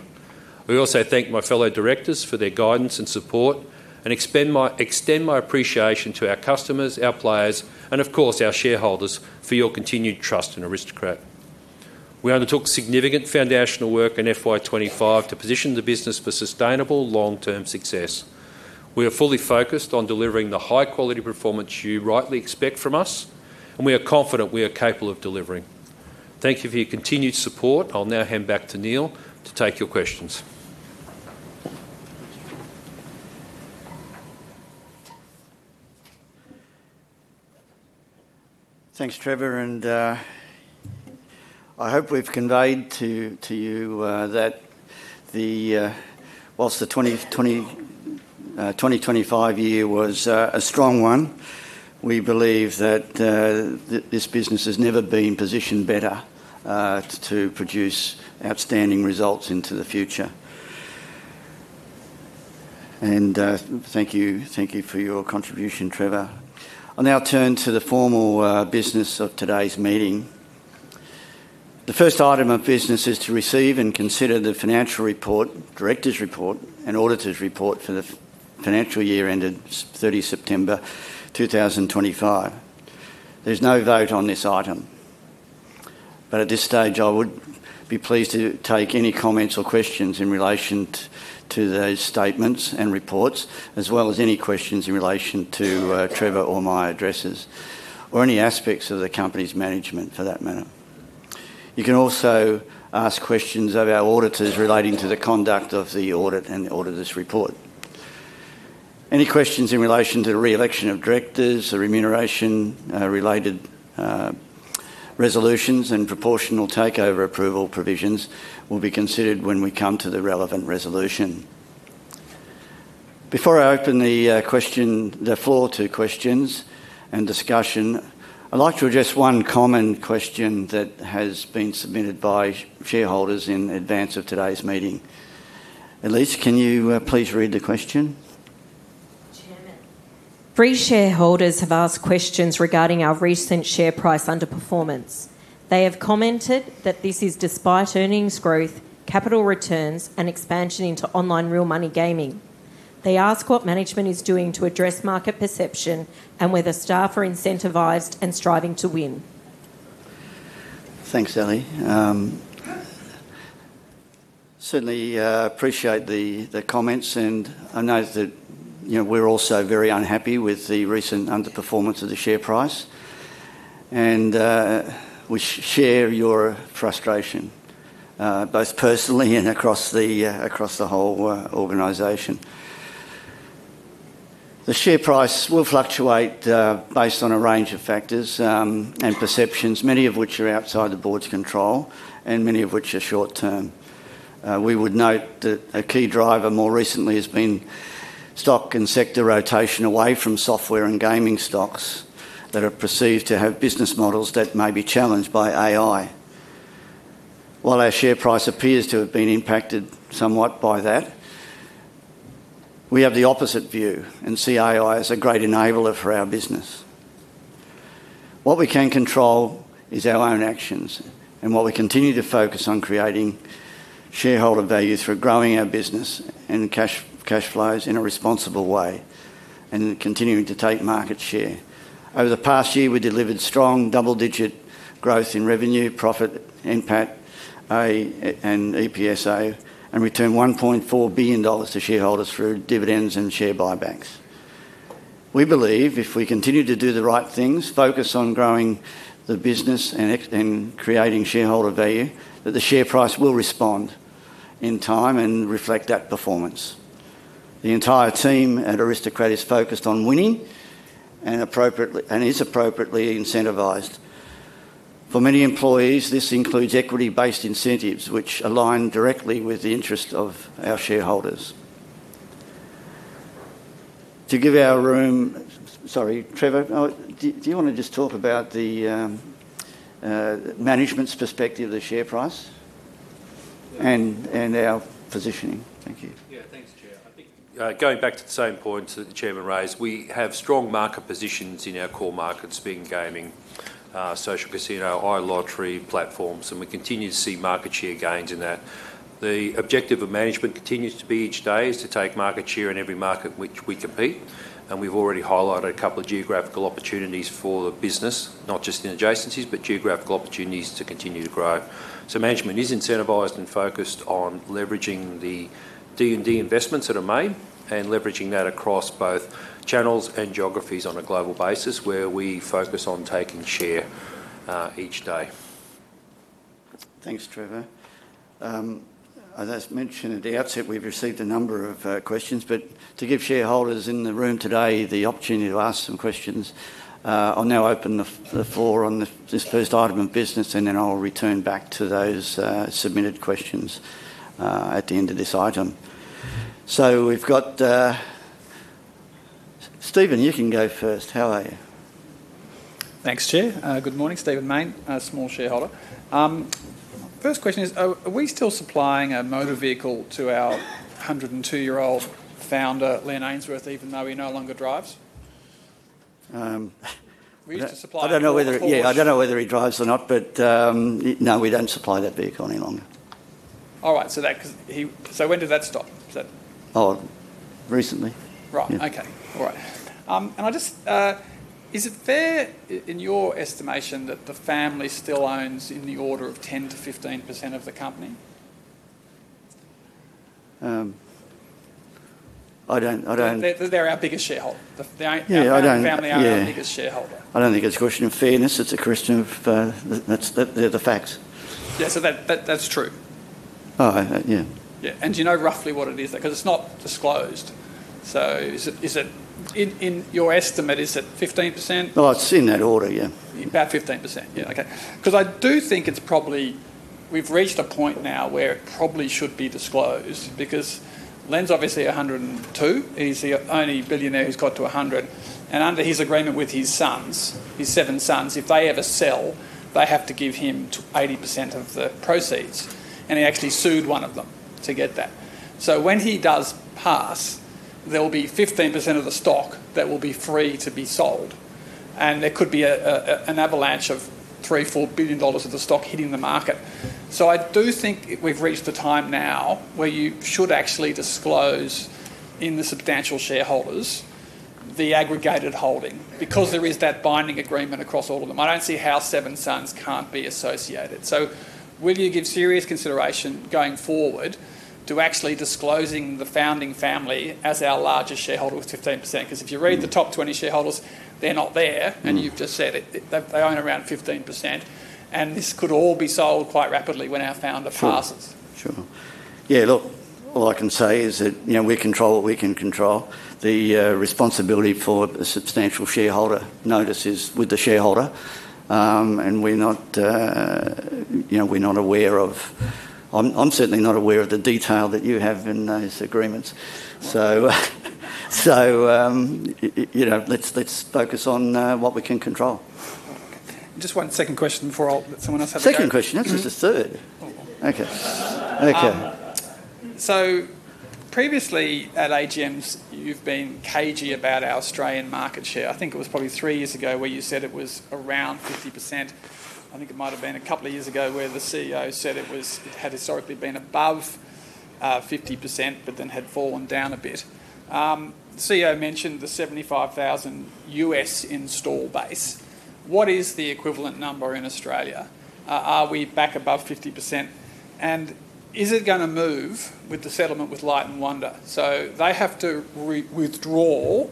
We also thank my fellow directors for their guidance and support, and extend my appreciation to our customers, our players, and of course, our shareholders, for your continued trust in Aristocrat. We undertook significant foundational work in FY 2025 to position the business for sustainable long-term success. We are fully focused on delivering the high-quality performance you rightly expect from us, and we are confident we are capable of delivering. Thank you for your continued support. I'll now hand back to Neil to take your questions. Thanks, Trevor, and I hope we've conveyed to you that the while the 2025 year was a strong one. We believe that this business has never been positioned better to produce outstanding results into the future. And thank you, thank you for your contribution, Trevor. I'll now turn to the formal business of today's meeting. The first item of business is to receive and consider the financial report, directors' report, and auditors' report for the financial year ended 30 September 2025. There's no vote on this item. But at this stage, I would be pleased to take any comments or questions in relation to those statements and reports, as well as any questions in relation to Trevor or my addresses, or any aspects of the company's management, for that matter. You can also ask questions of our auditors relating to the conduct of the audit and the auditors' report. Any questions in relation to the re-election of directors, the remuneration, related resolutions, and proportional takeover approval provisions will be considered when we come to the relevant resolution. Before I open the floor to questions and discussion, I'd like to address one common question that has been submitted by shareholders in advance of today's meeting. Leske, can you please read the question? Chairman, three shareholders have asked questions regarding our recent share price underperformance. They have commented that this is despite earnings growth, capital returns, and expansion into online real money gaming. They ask what management is doing to address market perception, and whether staff are incentivized and striving to win. Thanks, Leske. Certainly, appreciate the, the comments, and I know that, you know, we're also very unhappy with the recent underperformance of the share price. We share your frustration, both personally and across the, across the whole, organization. The share price will fluctuate, based on a range of factors, and perceptions, many of which are outside the board's control, and many of which are short term. We would note that a key driver more recently has been stock and sector rotation away from software and gaming stocks that are perceived to have business models that may be challenged by AI. While our share price appears to have been impacted somewhat by that, we have the opposite view and see AI as a great enabler for our business. What we can control is our own actions, and while we continue to focus on creating shareholder value through growing our business and cash flows in a responsible way, and continuing to take market share. Over the past year, we delivered strong double-digit growth in revenue, profit, NPAT, and EPSA, and returned 1.4 billion dollars to shareholders through dividends and share buybacks. We believe if we continue to do the right things, focus on growing the business and creating shareholder value, that the share price will respond in time and reflect that performance. The entire team at Aristocrat is focused on winning, and is appropriately incentivized. For many employees, this includes equity-based incentives, which align directly with the interest of our shareholders. To give our room. Sorry, Trevor, do you wanna just talk about the management's perspective of the share price and our positioning? Thank you. Yeah, thanks, Chair. I think, going back to the same points that the chairman raised, we have strong market positions in our core markets being gaming, social casino, iLottery platforms, and we continue to see market share gains in that. The objective of management continues to be each day, is to take market share in every market in which we compete, and we've already highlighted a couple of geographical opportunities for the business, not just in adjacencies, but geographical opportunities to continue to grow. So management is incentivized and focused on leveraging the D&D investments that are made, and leveraging that across both channels and geographies on a global basis, where we focus on taking share, each day. Thanks, Trevor. As mentioned at the outset, we've received a number of questions, but to give shareholders in the room today the opportunity to ask some questions, I'll now open the floor on this first item of business, and then I'll return back to those submitted questions at the end of this item. So we've got Stephen, you can go first. How are you? Thanks, Chair. Good morning. Stephen Mayne, a small shareholder. First question is, are we still supplying a motor vehicle to our 102-year-old founder, Len Ainsworth, even though he no longer drives? We used to supply? I don't know whether. Yeah, I don't know whether he drives or not, but, no, we don't supply that vehicle any longer. All right, so 'cause he. So when did that stop? Oh, recently. Right. Okay. All right. I just, is it fair in your estimation that the family still owns in the order of 10%-15% of the company? I don't. They're our biggest shareholder. Yeah, I don't. The family are our biggest shareholder. I don't think it's a question of fairness, it's a question of, they're the facts. Yeah, so that's true. Yeah, and do you know roughly what it is? Because it's not disclosed. So is it, in your estimate, 15%? Oh, it's in that order, yeah. About 15%? Yeah, okay. 'Cause I do think it's probably we've reached a point now where it probably should be disclosed, because Len's obviously 102. He's the only billionaire who's got to 100, and under his agreement with his sons, his seven sons, if they ever sell, they have to give him 80% of the proceeds, and he actually sued one of them to get that. So when he does pass, there will be 15% of the stock that will be free to be sold, and there could be an avalanche of 3 billion-4 billion dollars of the stock hitting the market. So I do think we've reached the time now where you should actually disclose, in the substantial shareholders, the aggregated holding, because there is that binding agreement across all of them. I don't see how seven sons can't be associated. So will you give serious consideration, going forward, to actually disclosing the founding family as our largest shareholder with 15%? 'Cause if you read the top 20 shareholders, they're not there and you've just said it, they own around 15%, and this could all be sold quite rapidly when our founder passes. Sure. Sure. Yeah, look, all I can say is that, you know, we control what we can control. The responsibility for a substantial shareholder notice is with the shareholder. And we're not, you know, we're not aware of. I'm certainly not aware of the detail that you have in those agreements. So, you know, let's focus on what we can control. Just one second question before I'll let someone else have a go. Second question? This is the third. Oh, well. Okay. Okay. So previously, at AGMs, you've been cagey about our Australian market share. I think it was probably three years ago where you said it was around 50%. I think it might have been a couple of years ago where the CEO said it was, it had historically been above 50%, but then had fallen down a bit. The CEO mentioned the 75,000 U.S. install base. What is the equivalent number in Australia? Are we back above 50%, and is it gonna move with the settlement with Light & Wonder? So they have to re-withdraw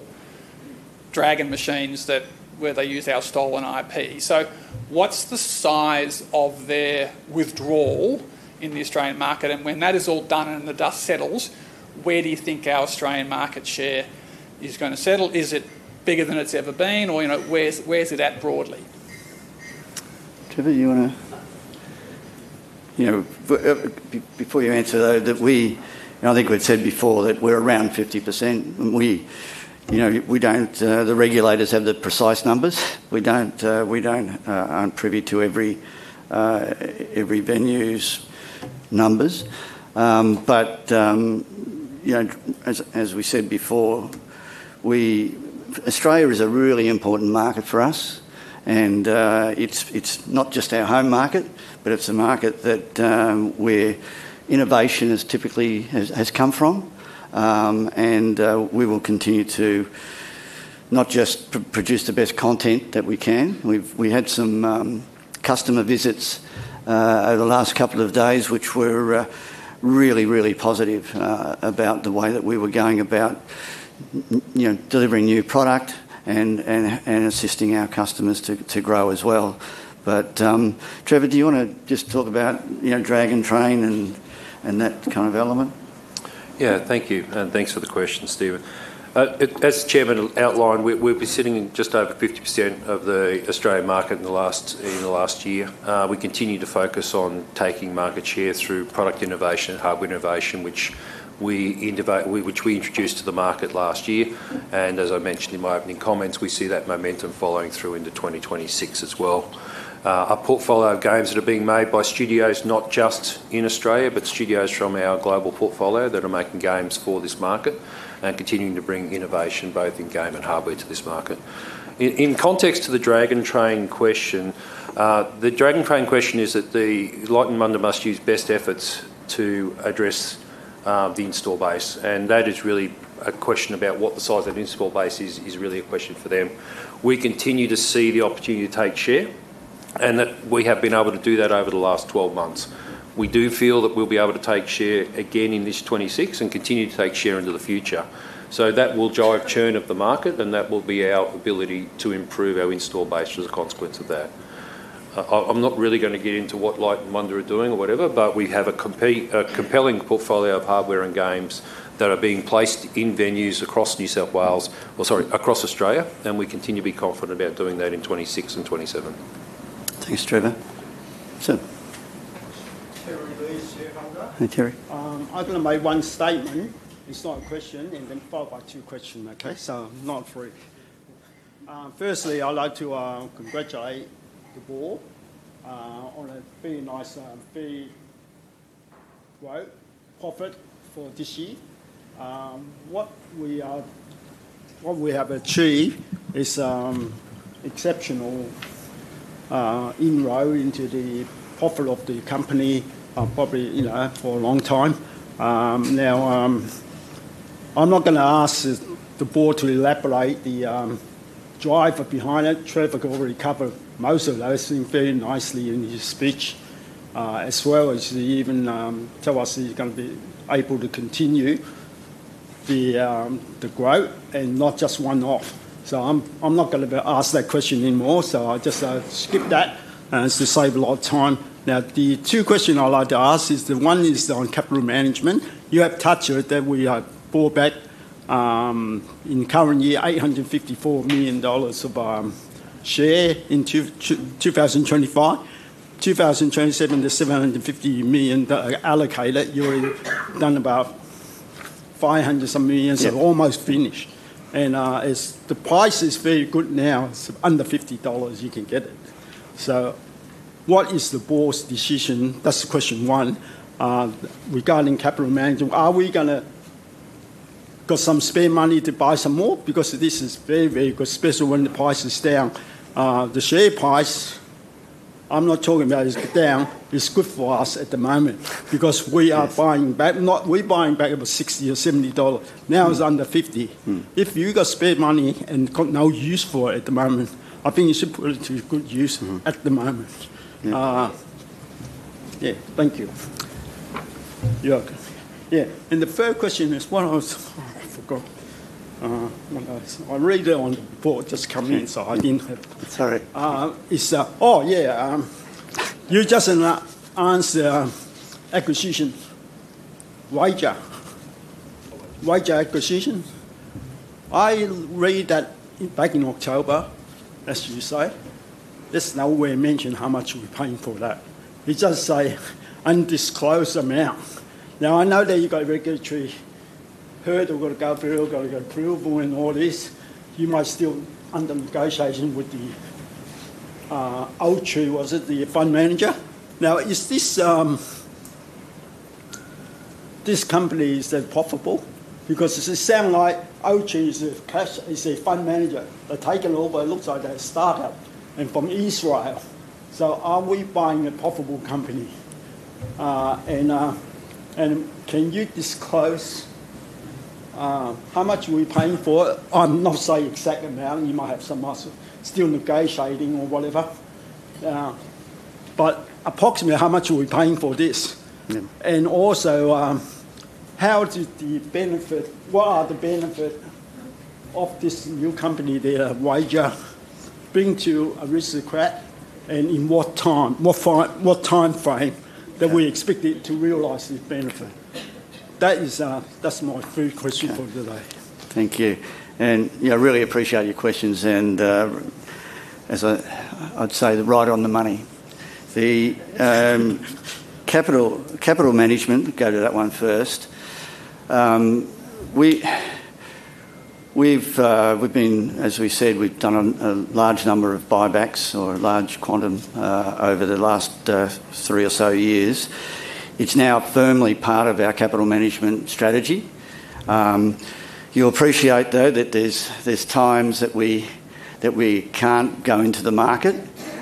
Dragon machines that, where they use our stolen IP. So what's the size of their withdrawal in the Australian market? And when that is all done and the dust settles, where do you think our Australian market share is gonna settle? Is it bigger than it's ever been, or, you know, where's it at broadly? Trevor, you want to, you know, before you answer, though, that we-- and I think we've said before, that we're around 50%. We, you know, we don't, the regulators have the precise numbers. We don't, we don't, aren't privy to every, every venue's numbers. But, you know, as we said before, we, Australia is a really important market for us, and, it's not just our home market, but it's a market that, where innovation is typically has come from. And, we will continue to not just produce the best content that we can. We had some customer visits over the last couple of days, which were really, really positive about the way that we were going about, you know, delivering new product and assisting our customers to grow as well. But, Trevor, do you want to just talk about, you know, Dragon Train and that kind of element? Yeah. Thank you, and thanks for the question, Stephen. As Chairman outlined, we've been sitting in just over 50% of the Australian market in the last year. We continue to focus on taking market share through product innovation and hardware innovation, which we introduced to the market last year. As I mentioned in my opening comments, we see that momentum following through into 2026 as well. Our portfolio of games that are being made by studios, not just in Australia, but studios from our global portfolio that are making games for this market and continuing to bring innovation, both in game and hardware, to this market. In context to the Dragon Train question, the Dragon Train question is that the Light & Wonder must use best efforts to address the install base, and that is really a question about what the size of the install base is, is really a question for them. We continue to see the opportunity to take share, and that we have been able to do that over the last 12 months. We do feel that we'll be able to take share again in this 2026 and continue to take share into the future. So that will drive churn of the market, and that will be our ability to improve our install base as a consequence of that. I'm not really going to get into what Light & Wonder are doing or whatever, but we have a compelling portfolio of hardware and games that are being placed in venues across New South Wales. Well, sorry, across Australia, and we continue to be confident about doing that in 2026 and 2027. Thanks, Trevor. Sir? [Terry Lewis], shareholder. Hi, [Terry]. I'm going to make one statement. It's not a question, and then followed by two question, okay? Yes. So not three. Firstly, I'd like to congratulate the board on a very nice big growth, profit for this year. What we are, what we have achieved is exceptional inroad into the profit of the company, probably, you know, for a long time. Now, I'm not gonna ask the board to elaborate the driver behind it. Trevor covered already covered most of those things very nicely in his speech, as well as he even tell us that he's gonna be able to continue the growth and not just one-off. So I'm not gonna be ask that question anymore, so I'll just skip that to save a lot of time. Now, the two question I'd like to ask is, the one is on capital management. You have touched on it, that we are pull back in the current year, 854 million dollars of share into 2025. 2027, there's 750 million allocated. You've done about 500 some million. So almost finished. And, as the price is very good now, it's under 50 dollars, you can get it. So what is the board's decision? That's question one. Regarding capital management, are we gonna, got some spare money to buy some more? Because this is very, very good, especially when the price is down. The share price, I'm not talking about is down, it's good for us at the moment because. Yes. We are buying back about 60 or 70 dollars. Now, it's under 50. If you got spare money and got no use for it at the moment, I think you should put it to good use, at the moment. Yeah, thank you. You're welcome. Yeah, and the third question is, what I was. Oh, I forgot. What I was - I read it on the board, just come in, so I didn't have. Sorry. Oh, yeah, you just announced acquisition. Awager, Awager acquisition. I read that back in October, as you say, there's nowhere mentioned how much we're paying for that. It just say, "Undisclosed amount." Now, I know that you got a regulatory hurdle, you got to go through, got to get approval and all this. You might still under negotiation with the, O.G., was it, the fund manager? Now, is this, this company, is it profitable? Because it sound like O.G. is a cash, is a fund manager. They've taken over, it looks like a start-up and from Israel. So are we buying a profitable company? And, and can you disclose, how much are we paying for it? Not say exact amount, you might have some also still negotiating or whatever. But approximately, how much are we paying for this? Also, what are the benefit of this new company, Awager, bring to Aristocrat, and in what time frame? That we expect it to realize the benefit? That is, that's my third question for today. Thank you. And, yeah, I really appreciate your questions, and, as I'd say, right on the money. The capital management, go to that one first. We've been, s we said, we've done a large number of buybacks or a large quantum over the last three or so years. It's now firmly part of our capital management strategy. You appreciate, though, that there's times that we can't go into the market,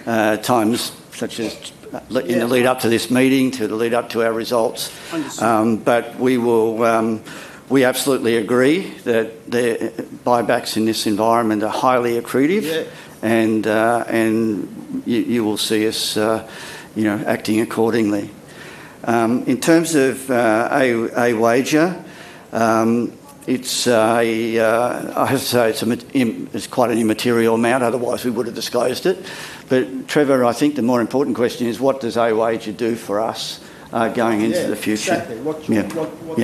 times such as in the lead up to this meeting, to the lead up to our results. Understood. But we will, we absolutely agree that the buybacks in this environment are highly accretive. And you will see us, you know, acting accordingly. In terms of Awager, it's quite an immaterial amount, otherwise we would have disclosed it. But Trevor, I think the more important question is, what does Awager do for us going into the future? Yeah, exactly. What, what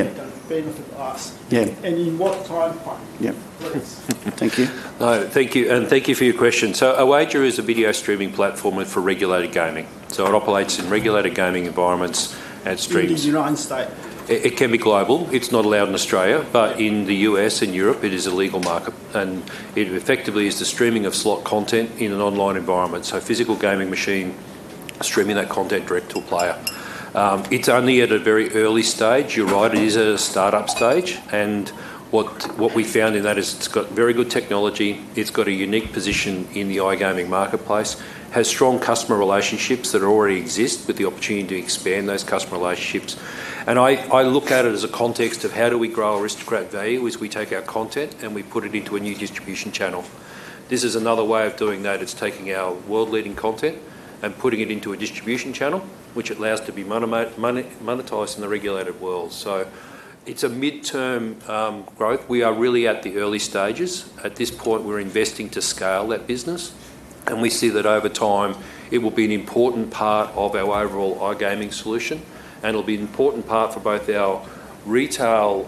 benefit us? In what time frame? What is? Thank you. Thank you, and thank you for your question. So Awager is a video streaming platform for regulated gaming. So it operates in regulated gaming environments and streams. In the United States? It can be global. It's not allowed in Australia, but in the U.S. and Europe, it is a legal market, and it effectively is the streaming of slot content in an online environment. So a physical gaming machine streaming that content direct to a player. It's only at a very early stage. You're right, it is a start-up stage, and what we found in that is it's got very good technology, it's got a unique position in the iGaming marketplace, has strong customer relationships that already exist, with the opportunity to expand those customer relationships. I look at it as a context of how do we grow Aristocrat value, is we take our content and we put it into a new distribution channel. This is another way of doing that. It's taking our world-leading content and putting it into a distribution channel, which allows to be monetized in the regulated world. So it's a midterm growth. We are really at the early stages. At this point, we're investing to scale that business, and we see that over time, it will be an important part of our overall iGaming solution, and it'll be an important part for both our retail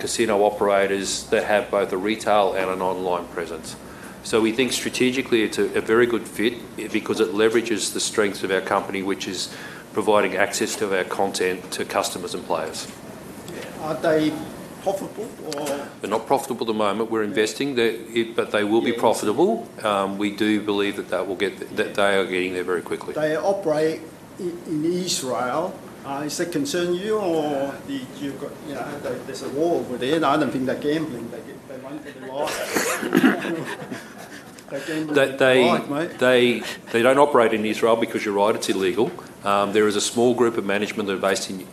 casino operators that have both a retail and an online presence. So we think strategically, it's a very good fit because it leverages the strengths of our company, which is providing access to our content to customers and players. Are they profitable or. They're not profitable at the moment. We're investing but they will be profitable. Yes. We do believe that they will get, that they are getting there very quickly. They operate in Israel. Does that concern you or the, you've got, you know, there's a war over there, and I don't think that gambling, they get, they might get involved? They're gambling- They, they. Right, mate. They, they don't operate in Israel because you're right, it's illegal. There is a small group of management that are based in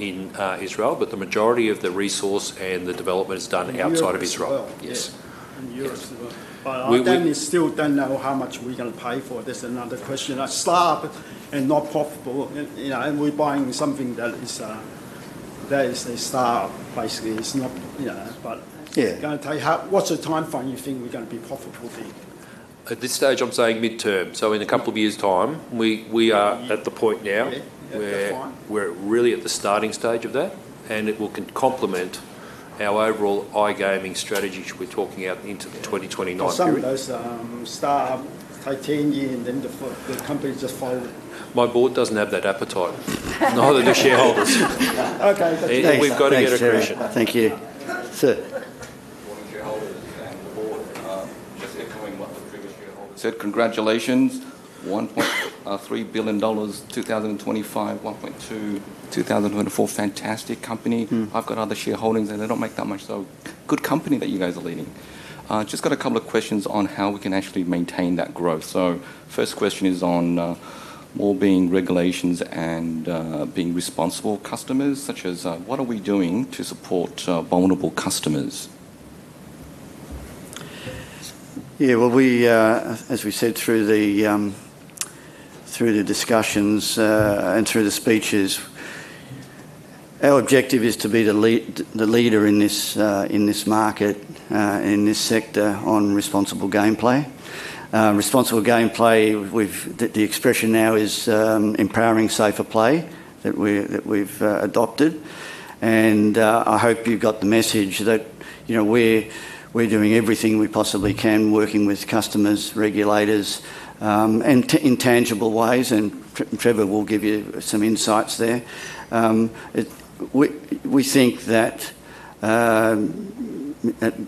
Israel, but the majority of the resource and the development is done outside of Israel. In Europe as well. Yes. In Europe as well. We, we. But I then still don't know how much we're gonna pay for it. That's another question. A start-up and not profitable, and, you know, and we're buying something that is, that is a start-up, basically. It's not, you know gonna tell you how. What's the time frame you think we're gonna be profitable then? At this stage, I'm saying midterm, so in a couple of years' time, we are at the point now. Yeah, yeah, that's fine. Where we're really at the starting stage of that, and it will complement our overall iGaming strategy, which we're talking about into the 2029 period. But some of those start 18 year, and then the company just fold. My board doesn't have that appetite. Nor do the shareholders. Okay, thanks. We've got to get approval. Thanks, Trevor. Thank you. Sir? Good morning, shareholders and the board. Just echoing what the previous shareholder said, congratulations. 1.3 billion dollars, 2025, 1.2 billion, 2024. Fantastic company. I've got other shareholdings, and they don't make that much, so good company that you guys are leading. Just got a couple of questions on how we can actually maintain that growth. So first question is on wellbeing, regulations, and being responsible customers, such as what are we doing to support vulnerable customers? Yeah, well, as we said through the discussions and through the speeches, our objective is to be the leader in this market in this sector on responsible gameplay. Responsible gameplay, the expression now is Empowering Safer Play, that we've adopted. And I hope you've got the message that, you know, we're doing everything we possibly can, working with customers, regulators, and in tangible ways, and Trevor will give you some insights there. We think that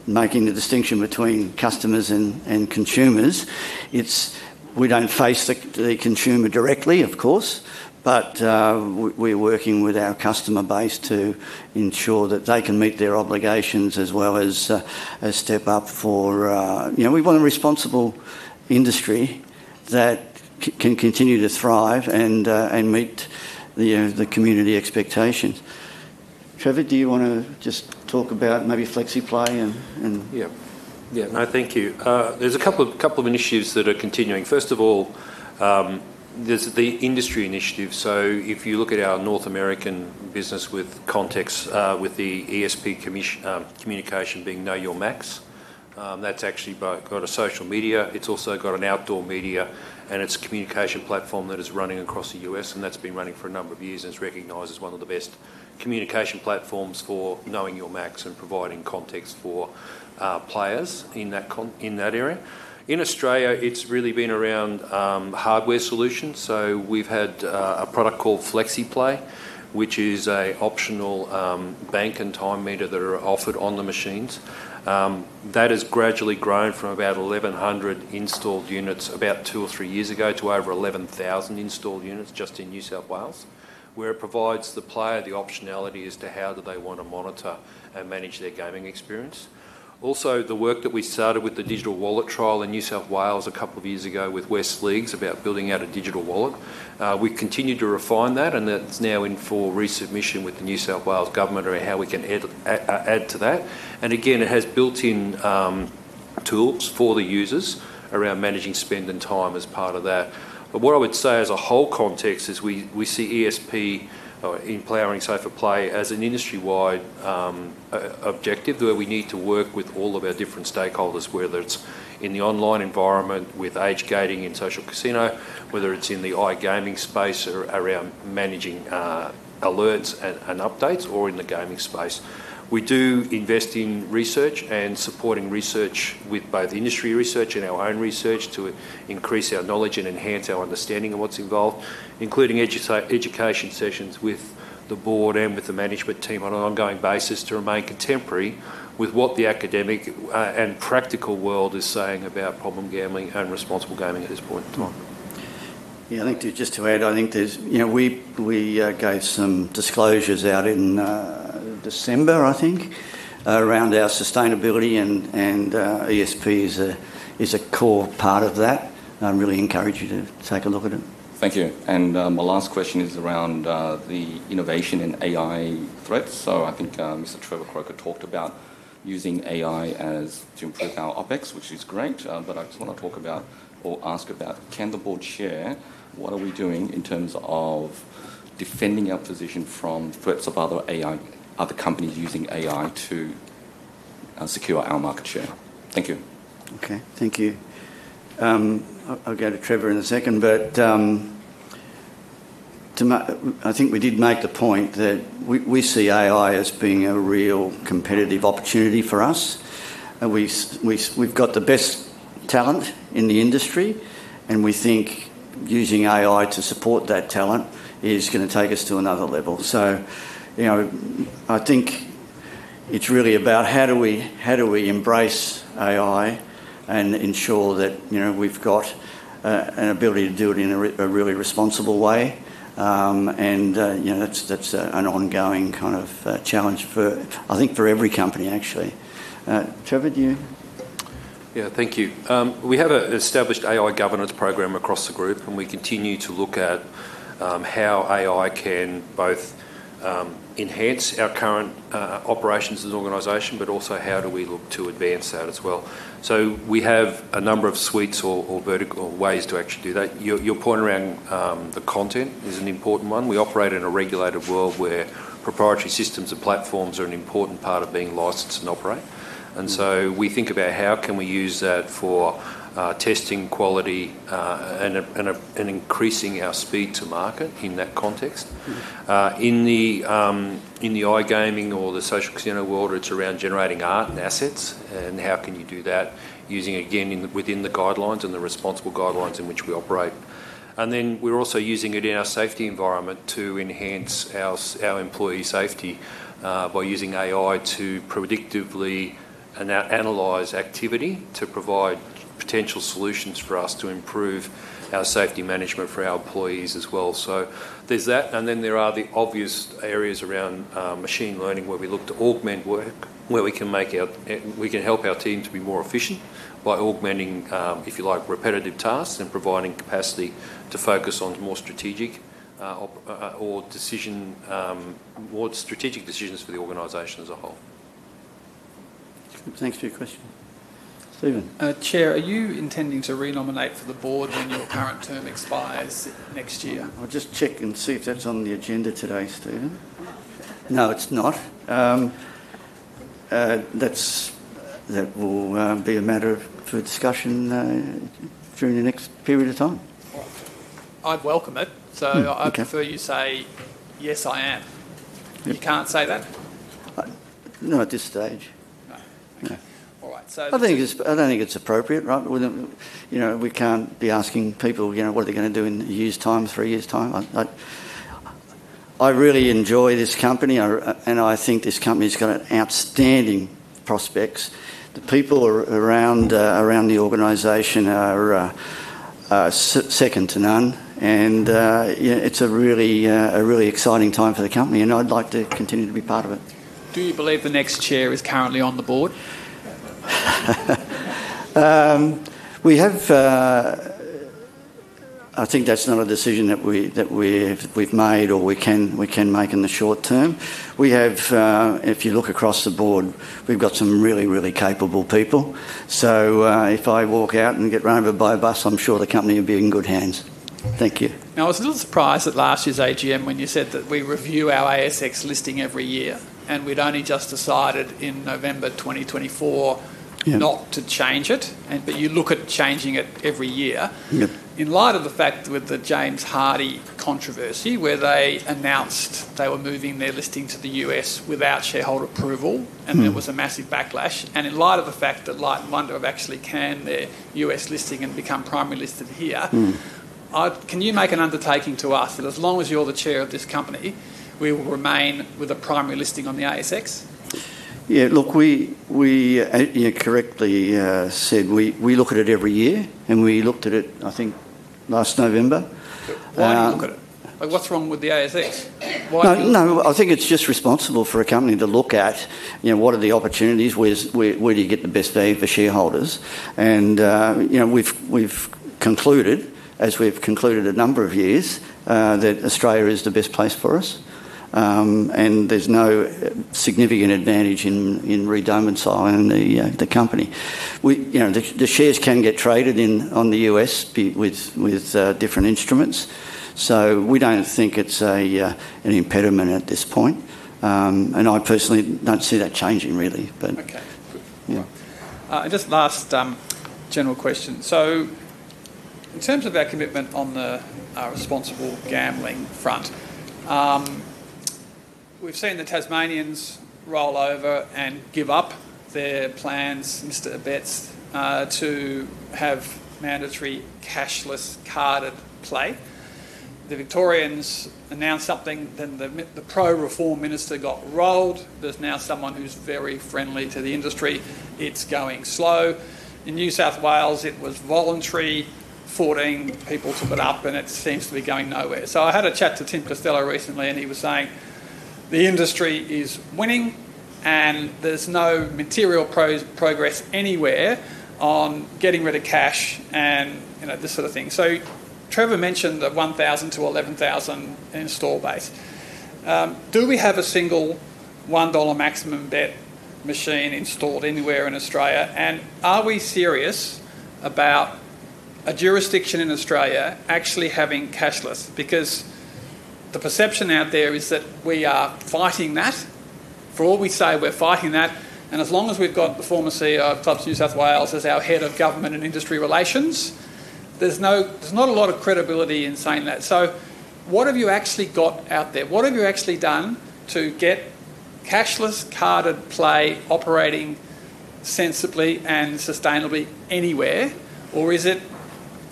making the distinction between customers and consumers, it's, we don't face the consumer directly, of course, but we're working with our customer base to ensure that they can meet their obligations as well as a step up for, you know, we want a responsible industry that can continue to thrive and meet the community expectations. Trevor, do you want to just talk about maybe FlexiPlay and. Yeah. Yeah. No, thank you. There's a couple of, couple of initiatives that are continuing. First of all, there's the industry initiative. So if you look at our North American business with context, with the ESP communication being Know Your Max, that's actually got a social media. It's also got an outdoor media, and it's a communication platform that is running across the U.S., and that's been running for a number of years and is recognized as one of the best communication platforms for knowing your max and providing context for players in that area. In Australia, it's really been around hardware solutions. So we've had a product called FlexiPlay, which is an optional bank and time meter that are offered on the machines. That has gradually grown from about 1,100 installed units about two or three years ago, to over 11,000 installed units just in New South Wales, where it provides the player the optionality as to how do they want to monitor and manage their gaming experience. Also, the work that we started with the digital wallet trial in New South Wales a couple of years ago with Wests Leagues about building out a digital wallet, we continued to refine that, and that's now in for resubmission with the New South Wales Government around how we can add to that. And again, it has built-in, tools for the users around managing spend and time as part of that. But what I would say as a whole context is we see ESP, empowering safer play, as an industry-wide objective that we need to work with all of our different stakeholders, whether it's in the online environment with age gating in Social Casino, whether it's in the iGaming space or around managing alerts and updates, or in the gaming space. We do invest in research and supporting research with both industry research and our own research to increase our knowledge and enhance our understanding of what's involved, including education sessions with the board and with the management team on an ongoing basis to remain contemporary with what the academic and practical world is saying about problem gambling and responsible gaming at this point in time. Yeah, I think too, just to add, I think there's, you know, we gave some disclosures out in December, I think, around our sustainability, and ESP is a core part of that. I really encourage you to take a look at it. Thank you. And, my last question is around the innovation in AI threats. So I think, Mr. Trevor Croker talked about using AI as to improve our OpEx, which is great. But I just want to talk about or ask about, can the board share what are we doing in terms of defending our position from threats of other AI, other companies using AI to secure our market share? Thank you. Okay, thank you. I'll go to Trevor in a second, but I think we did make the point that we see AI as being a real competitive opportunity for us, and we've got the best talent in the industry, and we think using AI to support that talent is going to take us to another level. So, you know, I think it's really about how do we embrace AI and ensure that, you know, we've got an ability to do it in a really responsible way? And, you know, that's an ongoing kind of challenge for, I think, for every company, actually. Trevor, do you? Yeah. Thank you. We have an established AI governance program across the group, and we continue to look at how AI can both enhance our current operations as an organization, but also how do we look to advance that as well. So we have a number of suites or vertical ways to actually do that. Your point around the content is an important one. We operate in a regulated world where proprietary systems and platforms are an important part of being licensed and operate, and so we think about how can we use that for testing quality and increasing our speed to market in that context. In the iGaming or the social casino world, it's around generating art and assets, and how can you do that using, again, in, within the guidelines and the responsible guidelines in which we operate? And then, we're also using it in our safety environment to enhance our our employee safety by using AI to predictively analyze activity to provide potential solutions for us to improve our safety management for our employees as well. So there's that, and then there are the obvious areas around machine learning, where we look to augment work, where we can make our we can help our team to be more efficient by augmenting, if you like, repetitive tasks and providing capacity to focus on more strategic, or, or decision, more strategic decisions for the organization as a whole. Thanks for your question. Steven? Chair, are you intending to re-nominate for the board when your current term expires next year? I'll just check and see if that's on the agenda today, Stephen. No, it's not. That will be a matter for discussion during the next period of time. I'd welcome it. Okay. So I'd prefer you say, "Yes, I am." You can't say that? Not at this stage. No.All right. I don't think it's appropriate, right? We don't, you know, we can't be asking people, you know, what are they going to do in a year's time, three years' time. I really enjoy this company, and I think this company's got outstanding prospects. The people around the organization are second to none, and you know, it's a really exciting time for the company, and I'd like to continue to be part of it. Do you believe the next chair is currently on the board? I think that's not a decision that we've made or we can make in the short term. We have, if you look across the board, we've got some really, really capable people. So, if I walk out and get run over by a bus, I'm sure the company will be in good hands. Thank you. Now, I was a little surprised at last year's AGM when you said that we review our ASX listing every year, and we'd only just decided in November 2024 not to change it, but you look at changing it every year. In light of the fact with the James Hardie controversy, where they announced they were moving their listing to the U.S. without shareholder approval and there was a massive backlash, and in light of the fact that Light & Wonder have actually canned their U.S. listing and become primary listed here. Can you make an undertaking to us that as long as you're the Chair of this company, we will remain with a primary listing on the ASX? Yeah, look, you correctly said we look at it every year, and we looked at it, I think, last November. Why look at it? Like, what's wrong with the ASX? Why? No, no, I think it's just responsible for a company to look at, you know, what are the opportunities, where do you get the best deal for shareholders? And, you know, we've concluded, as we've concluded a number of years, that Australia is the best place for us. And there's no significant advantage in redomiciling the company. We, you know, the shares can get traded in on the US pe- with different instruments, so we don't think it's an impediment at this point. And I personally don't see that changing, really, but- Okay, good. And just last general question: so in terms of our commitment on the responsible gambling front, we've seen the Tasmanians roll over and give up their plans, Mr. Abetz, to have mandatory cashless carded play. The Victorians announced something, then the pro-reform minister got rolled. There's now someone who's very friendly to the industry. It's going slow. In New South Wales, it was voluntary, 14 people took it up, and it seems to be going nowhere. So I had a chat to Tim Costello recently, and he was saying the industry is winning, and there's no material progress anywhere on getting rid of cash and, you know, this sort of thing. So Trevor mentioned the 1000-11,000 install base. Do we have a single 1 dollar maximum bet machine installed anywhere in Australia? Are we serious about a jurisdiction in Australia actually having cashless? Because the perception out there is that we are fighting that. For all we say, we're fighting that, and as long as we've got the former CEO of Clubs NSW as our head of government and industry relations, there's not a lot of credibility in saying that. So what have you actually got out there? What have you actually done to get cashless carded play operating sensibly and sustainably anywhere? Or is it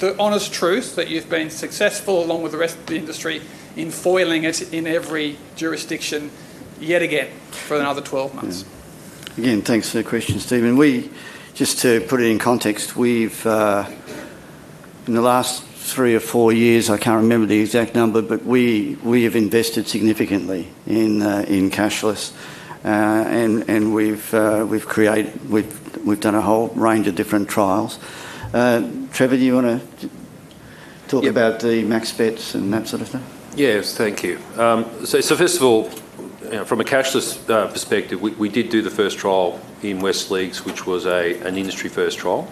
the honest truth that you've been successful, along with the rest of the industry, in foiling it in every jurisdiction yet again for another twelve months? Yeah. Again, thanks for the question, Stephen. We, just to put it in context, in the last three or four years, I can't remember the exact number, but we have invested significantly in cashless. And we've created. We've done a whole range of different trials. Trevor, do you want to talk about the max bets and that sort of thing? Yes, thank you. So first of all, you know, from a cashless perspective, we did do the first trial in Wests Leagues, which was an industry-first trial.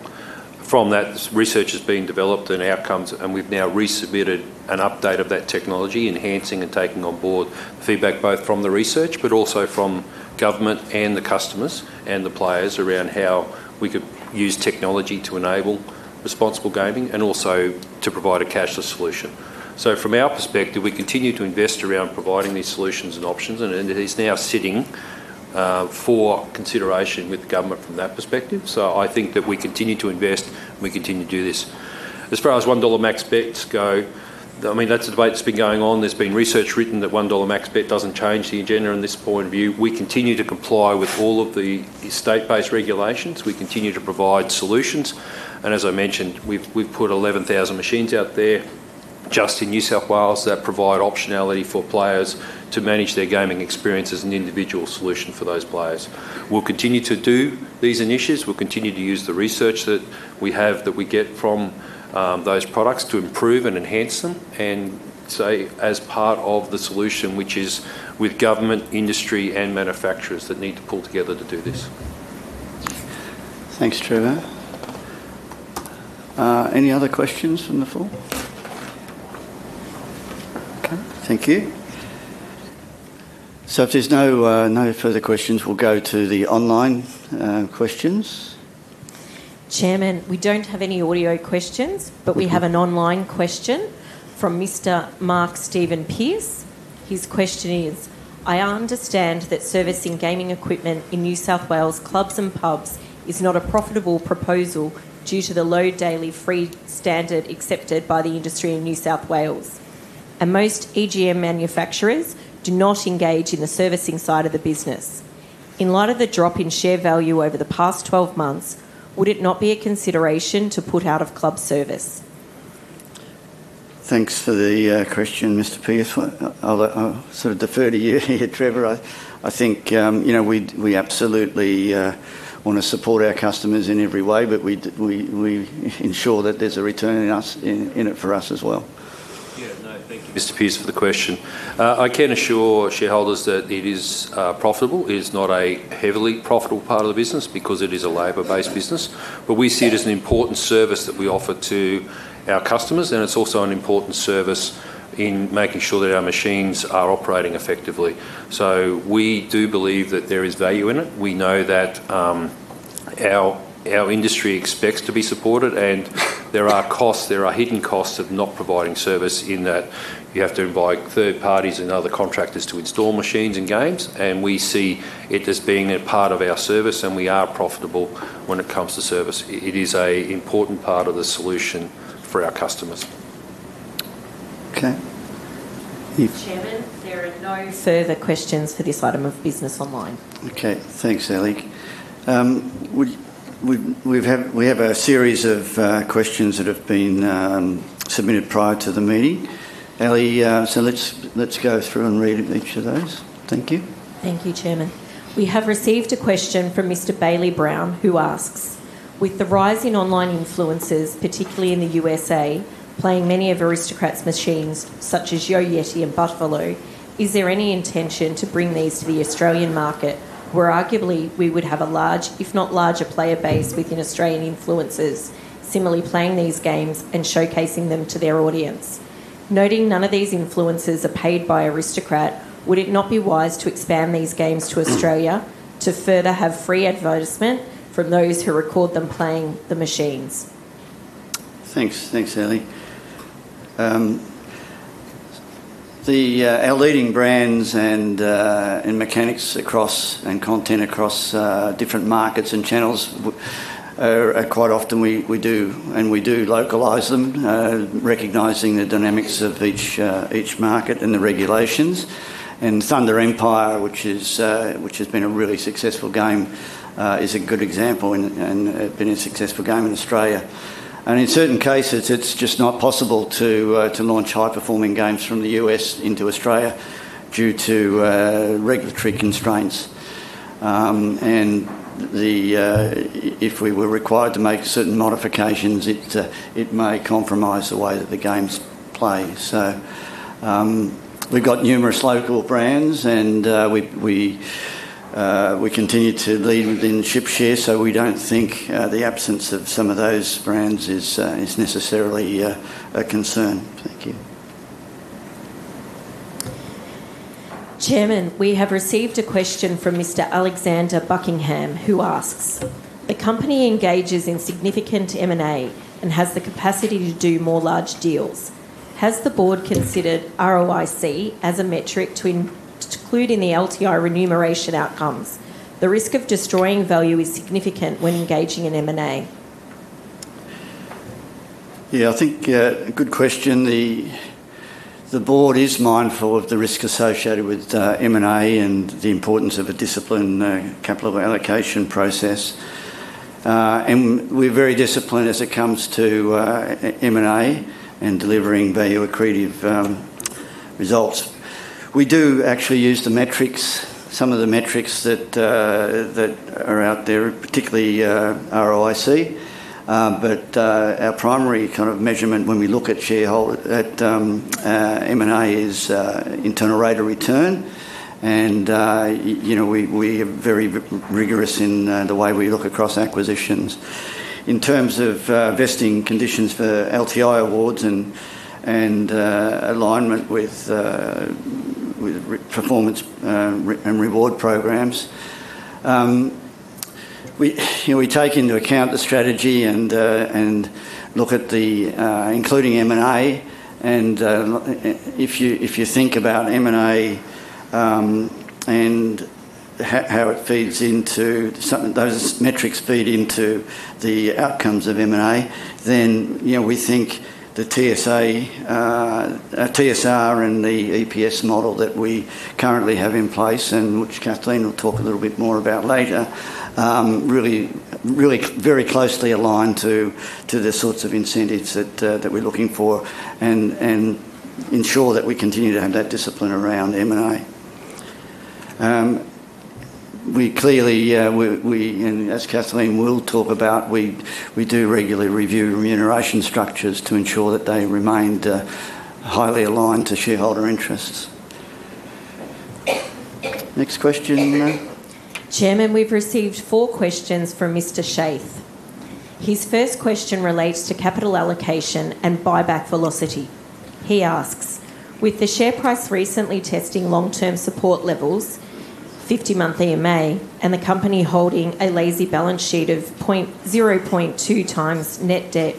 From that, research is being developed and outcomes, and we've now resubmitted an update of that technology, enhancing and taking on board feedback, both from the research, but also from government and the customers, and the players around how we could use technology to enable responsible gaming, and also to provide a cashless solution. So from our perspective, we continue to invest around providing these solutions and options, and it is now sitting for consideration with the government from that perspective. So I think that we continue to invest, and we continue to do this. As far as one dollar max bets go, I mean, that's a debate that's been going on. There's been research written that 1 dollar max bet doesn't change the agenda in this point of view. We continue to comply with all of the state-based regulations. We continue to provide solutions, and as I mentioned, we've put 11,000 machines out there just in New South Wales that provide optionality for players to manage their gaming experience as an individual solution for those players. We'll continue to do these initiatives. We'll continue to use the research that we have, that we get from those products to improve and enhance them, and say, as part of the solution, which is with government, industry, and manufacturers that need to pull together to do this. Thanks, Trevor. Any other questions from the floor? Okay, thank you. So if there's no further questions, we'll go to the online questions. Chairman, we don't have any audio questions, but we have an online question from Mr. Mark Steven Pierce. His question is: I understand that servicing gaming equipment in New South Wales clubs and pubs is not a profitable proposal due to the low daily fee standard accepted by the industry in New South Wales, and most EGM manufacturers do not engage in the servicing side of the business. In light of the drop in share value over the past 12 months, would it not be a consideration to put out of club service? Thanks for the question, Mr. Pierce. I'll sort of defer to you here, Trevor. I think, you know, we absolutely wanna support our customers in every way, but we ensure that there's a return in it for us as well. Yeah. No, thank you, Mr. Pierce, for the question. I can assure shareholders that it is profitable. It is not a heavily profitable part of the business because it is a labor-based business, but we see it as an important service that we offer to our customers, and it's also an important service in making sure that our machines are operating effectively. So we do believe that there is value in it. We know that our industry expects to be supported, and there are costs, there are hidden costs of not providing service in that you have to invite third parties and other contractors to install machines and games, and we see it as being a part of our service, and we are profitable when it comes to service. It is a important part of the solution for our customers. Okay. If. Chairman, there are no further questions for this item of business online. Okay, thanks, Ellie. We have a series of questions that have been submitted prior to the meeting. Ellie, so let's go through and read each of those. Thank you. Thank you, Chairman. We have received a question from Mr. Bailey Brown, who asks: With the rise in online influencers, particularly in the USA, playing many of Aristocrat's machines, such as Yo Yeti and Buffalo, is there any intention to bring these to the Australian market, where arguably we would have a large, if not larger, player base within Australian influencers similarly playing these games and showcasing them to their audience? Noting none of these influencers are paid by Aristocrat, would it not be wise to expand these games to Australia to further have free advertisement from those who record them playing the machines? Thanks. Thanks, Ellie. Our leading brands and mechanics across and content across different markets and channels are quite often we do localize them, recognizing the dynamics of each market and the regulations. And Thunder Empire, which has been a really successful game, is a good example and been a successful game in Australia. And in certain cases, it's just not possible to launch high-performing games from the U.S. into Australia due to regulatory constraints. And if we were required to make certain modifications, it may compromise the way that the game's played. So, we've got numerous local brands, and we continue to lead within ship share, so we don't think the absence of some of those brands is necessarily a concern. Thank you. Chairman, we have received a question from Mr. Alexander Buckingham, who asks: A company engages in significant M&A and has the capacity to do more large deals. Has the board considered ROIC as a metric to include in the LTI remuneration outcomes? The risk of destroying value is significant when engaging in M&A. Yeah, I think a good question. The board is mindful of the risk associated with M&A and the importance of a disciplined capital allocation process. And we're very disciplined as it comes to M&A and delivering value-accretive results. We do actually use the metrics, some of the metrics that are out there, particularly ROIC, but our primary kind of measurement when we look at shareholder at M&A is internal rate of return, and you know, we are very rigorous in the way we look across acquisitions. In terms of vesting conditions for LTI awards and alignment with performance and reward programs. We, you know, we take into account the strategy and look at the including M&A, and if you think about M&A, and how it feeds into those metrics feed into the outcomes of M&A, then, you know, we think the TSR and the EPS model that we currently have in place, and which Kathleen will talk a little bit more about later, really very closely aligned to the sorts of incentives that we're looking for, and ensure that we continue to have that discipline around M&A. We clearly, and as Kathleen will talk about, we do regularly review remuneration structures to ensure that they remained highly aligned to shareholder interests. Next question, Mary? Chairman, we've received four questions from Mr. Shafe. His first question relates to capital allocation and buyback velocity. He asks: With the share price recently testing long-term support levels, 50-month EMA, and the company holding a lazy balance sheet of 0.2x net debt,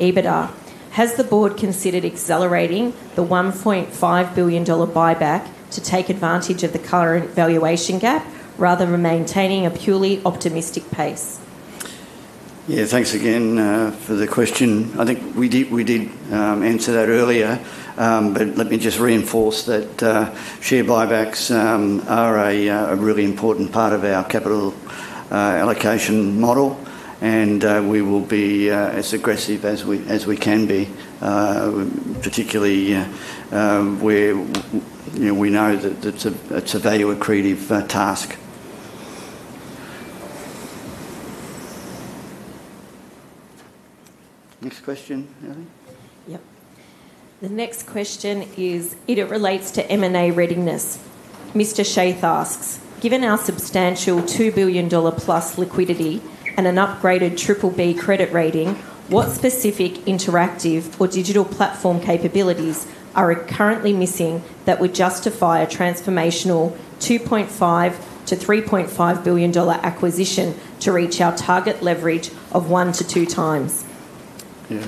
EBITDA, has the board considered accelerating the 1.5 billion dollar buyback to take advantage of the current valuation gap, rather than maintaining a purely optimistic pace? Yeah, thanks again for the question. I think we did answer that earlier. But let me just reinforce that, share buybacks are a really important part of our capital allocation model, and we will be as aggressive as we can be, particularly where, you know, we know that it's a value-accretive task. Next question, Mary? Yep. The next question is, it relates to M&A readiness. Mr. Shafe asks: Given our substantial 2 billion dollar+ liquidity and an upgraded BBB credit rating, what specific interactive or digital platform capabilities are currently missing that would justify a transformational 2.5 billion-3.5 billion dollar acquisition to reach our target leverage of 1x-2x? Yeah.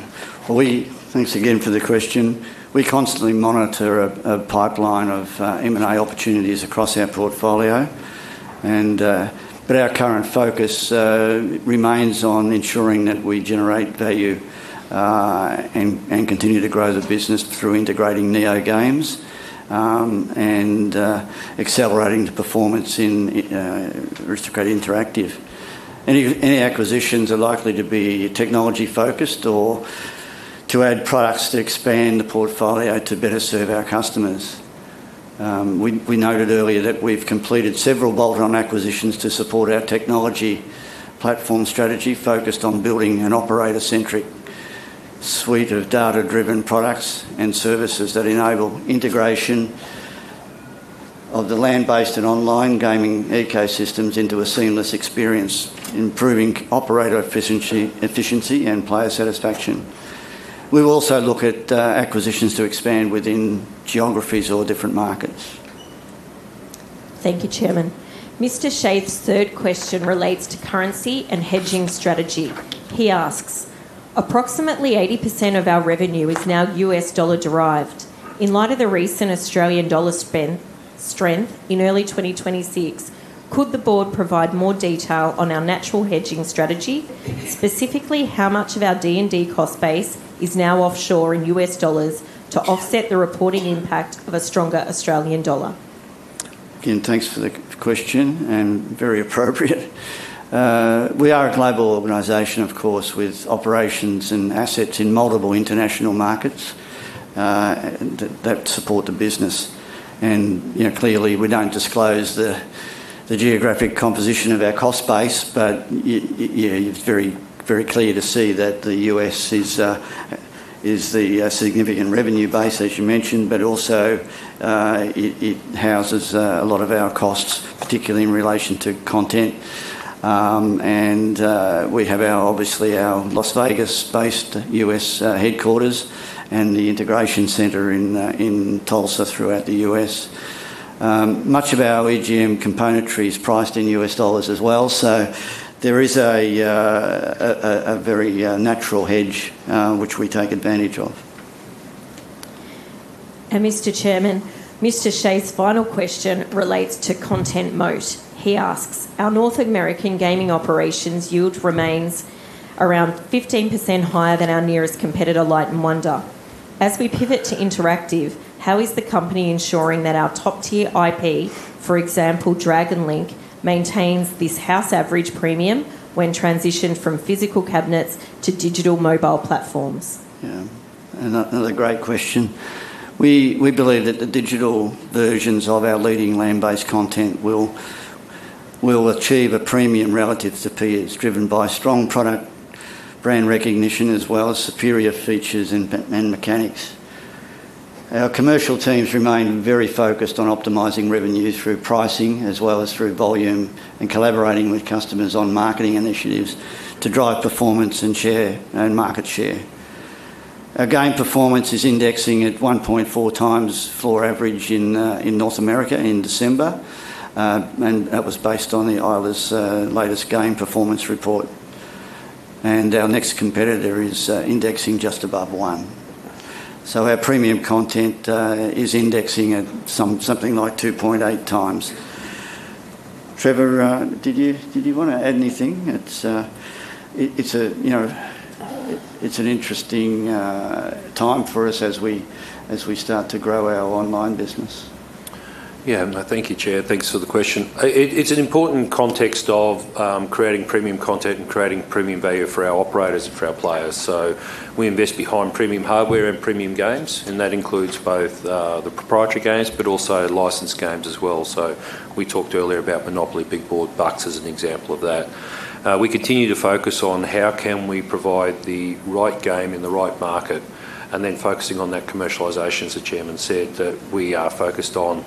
Well, thanks again for the question. We constantly monitor a pipeline of M&A opportunities across our portfolio, and but our current focus remains on ensuring that we generate value and continue to grow the business through integrating NeoGames and accelerating the performance in Aristocrat Interactive. Any acquisitions are likely to be technology-focused or to add products that expand the portfolio to better serve our customers. We noted earlier that we've completed several bolt-on acquisitions to support our technology platform strategy, focused on building an operator-centric suite of data-driven products and services that enable integration of the land-based and online gaming ecosystems into a seamless experience, improving operator efficiency and player satisfaction. We will also look at acquisitions to expand within geographies or different markets. Thank you, Chairman. Mr. Shafe's third question relates to currency and hedging strategy. He asks: Approximately 80% of our revenue is now U.S. dollar derived. In light of the recent Australian dollar strength in early 2026, could the board provide more detail on our natural hedging strategy? Specifically, how much of our D&D cost base is now offshore in U.S. dollars to offset the reporting impact of a stronger Australian dollar? Again, thanks for the question, and very appropriate. We are a global organization, of course, with operations and assets in multiple international markets that support the business. And, you know, clearly, we don't disclose the geographic composition of our cost base, but yeah, it's very clear to see that the U.S. is the significant revenue base, as you mentioned, but also, it houses a lot of our costs, particularly in relation to content. And we have, obviously, our Las Vegas-based U.S. headquarters and the integration center in Tulsa throughout the U.S. Much of our EGM componentry is priced in U.S. dollars as well, so there is a very natural hedge which we take advantage of. Mr. Chairman, Mr. Shafe's final question relates to content moat. He asks: Our North American gaming operations yield remains around 15% higher than our nearest competitor, Light & Wonder. As we pivot to interactive, how is the company ensuring that our top-tier IP, for example, Dragon Link, maintains this house average premium when transitioned from physical cabinets to digital mobile platforms? Yeah, and another great question. We believe that the digital versions of our leading land-based content will achieve a premium relative to peers, driven by strong product brand recognition as well as superior features and mechanics. Our commercial teams remain very focused on optimizing revenues through pricing, as well as through volume, and collaborating with customers on marketing initiatives to drive performance and share, and market share. Our game performance is indexing at 1.4x floor average in North America in December, and that was based on the Eilers' latest game performance report. And our next competitor is indexing just above 1. So our premium content is indexing at something like 2.8x. Trevor, did you wanna add anything? It's, you know, it's an interesting time for us as we start to grow our online business. Yeah, thank you, Chair. Thanks for the question. It's an important context of creating premium content and creating premium value for our operators and for our players. So we invest behind premium hardware and premium games, and that includes both the proprietary games, but also licensed games as well. So we talked earlier about Monopoly Big Board Bucks as an example of that. We continue to focus on how can we provide the right game in the right market, and then focusing on that commercialization, as the chairman said, that we are focused on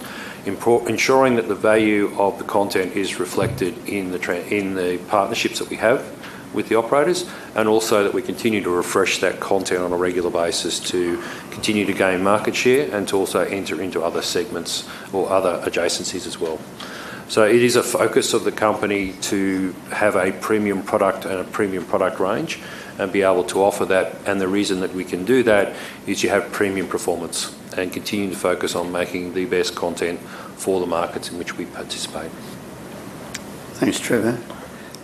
ensuring that the value of the content is reflected in the partnerships that we have with the operators, and also that we continue to refresh that content on a regular basis to continue to gain market share and to also enter into other segments or other adjacencies as well. So it is a focus of the company to have a premium product and a premium product range and be able to offer that, and the reason that we can do that is you have premium performance and continue to focus on making the best content for the markets in which we participate. Thanks, Trevor.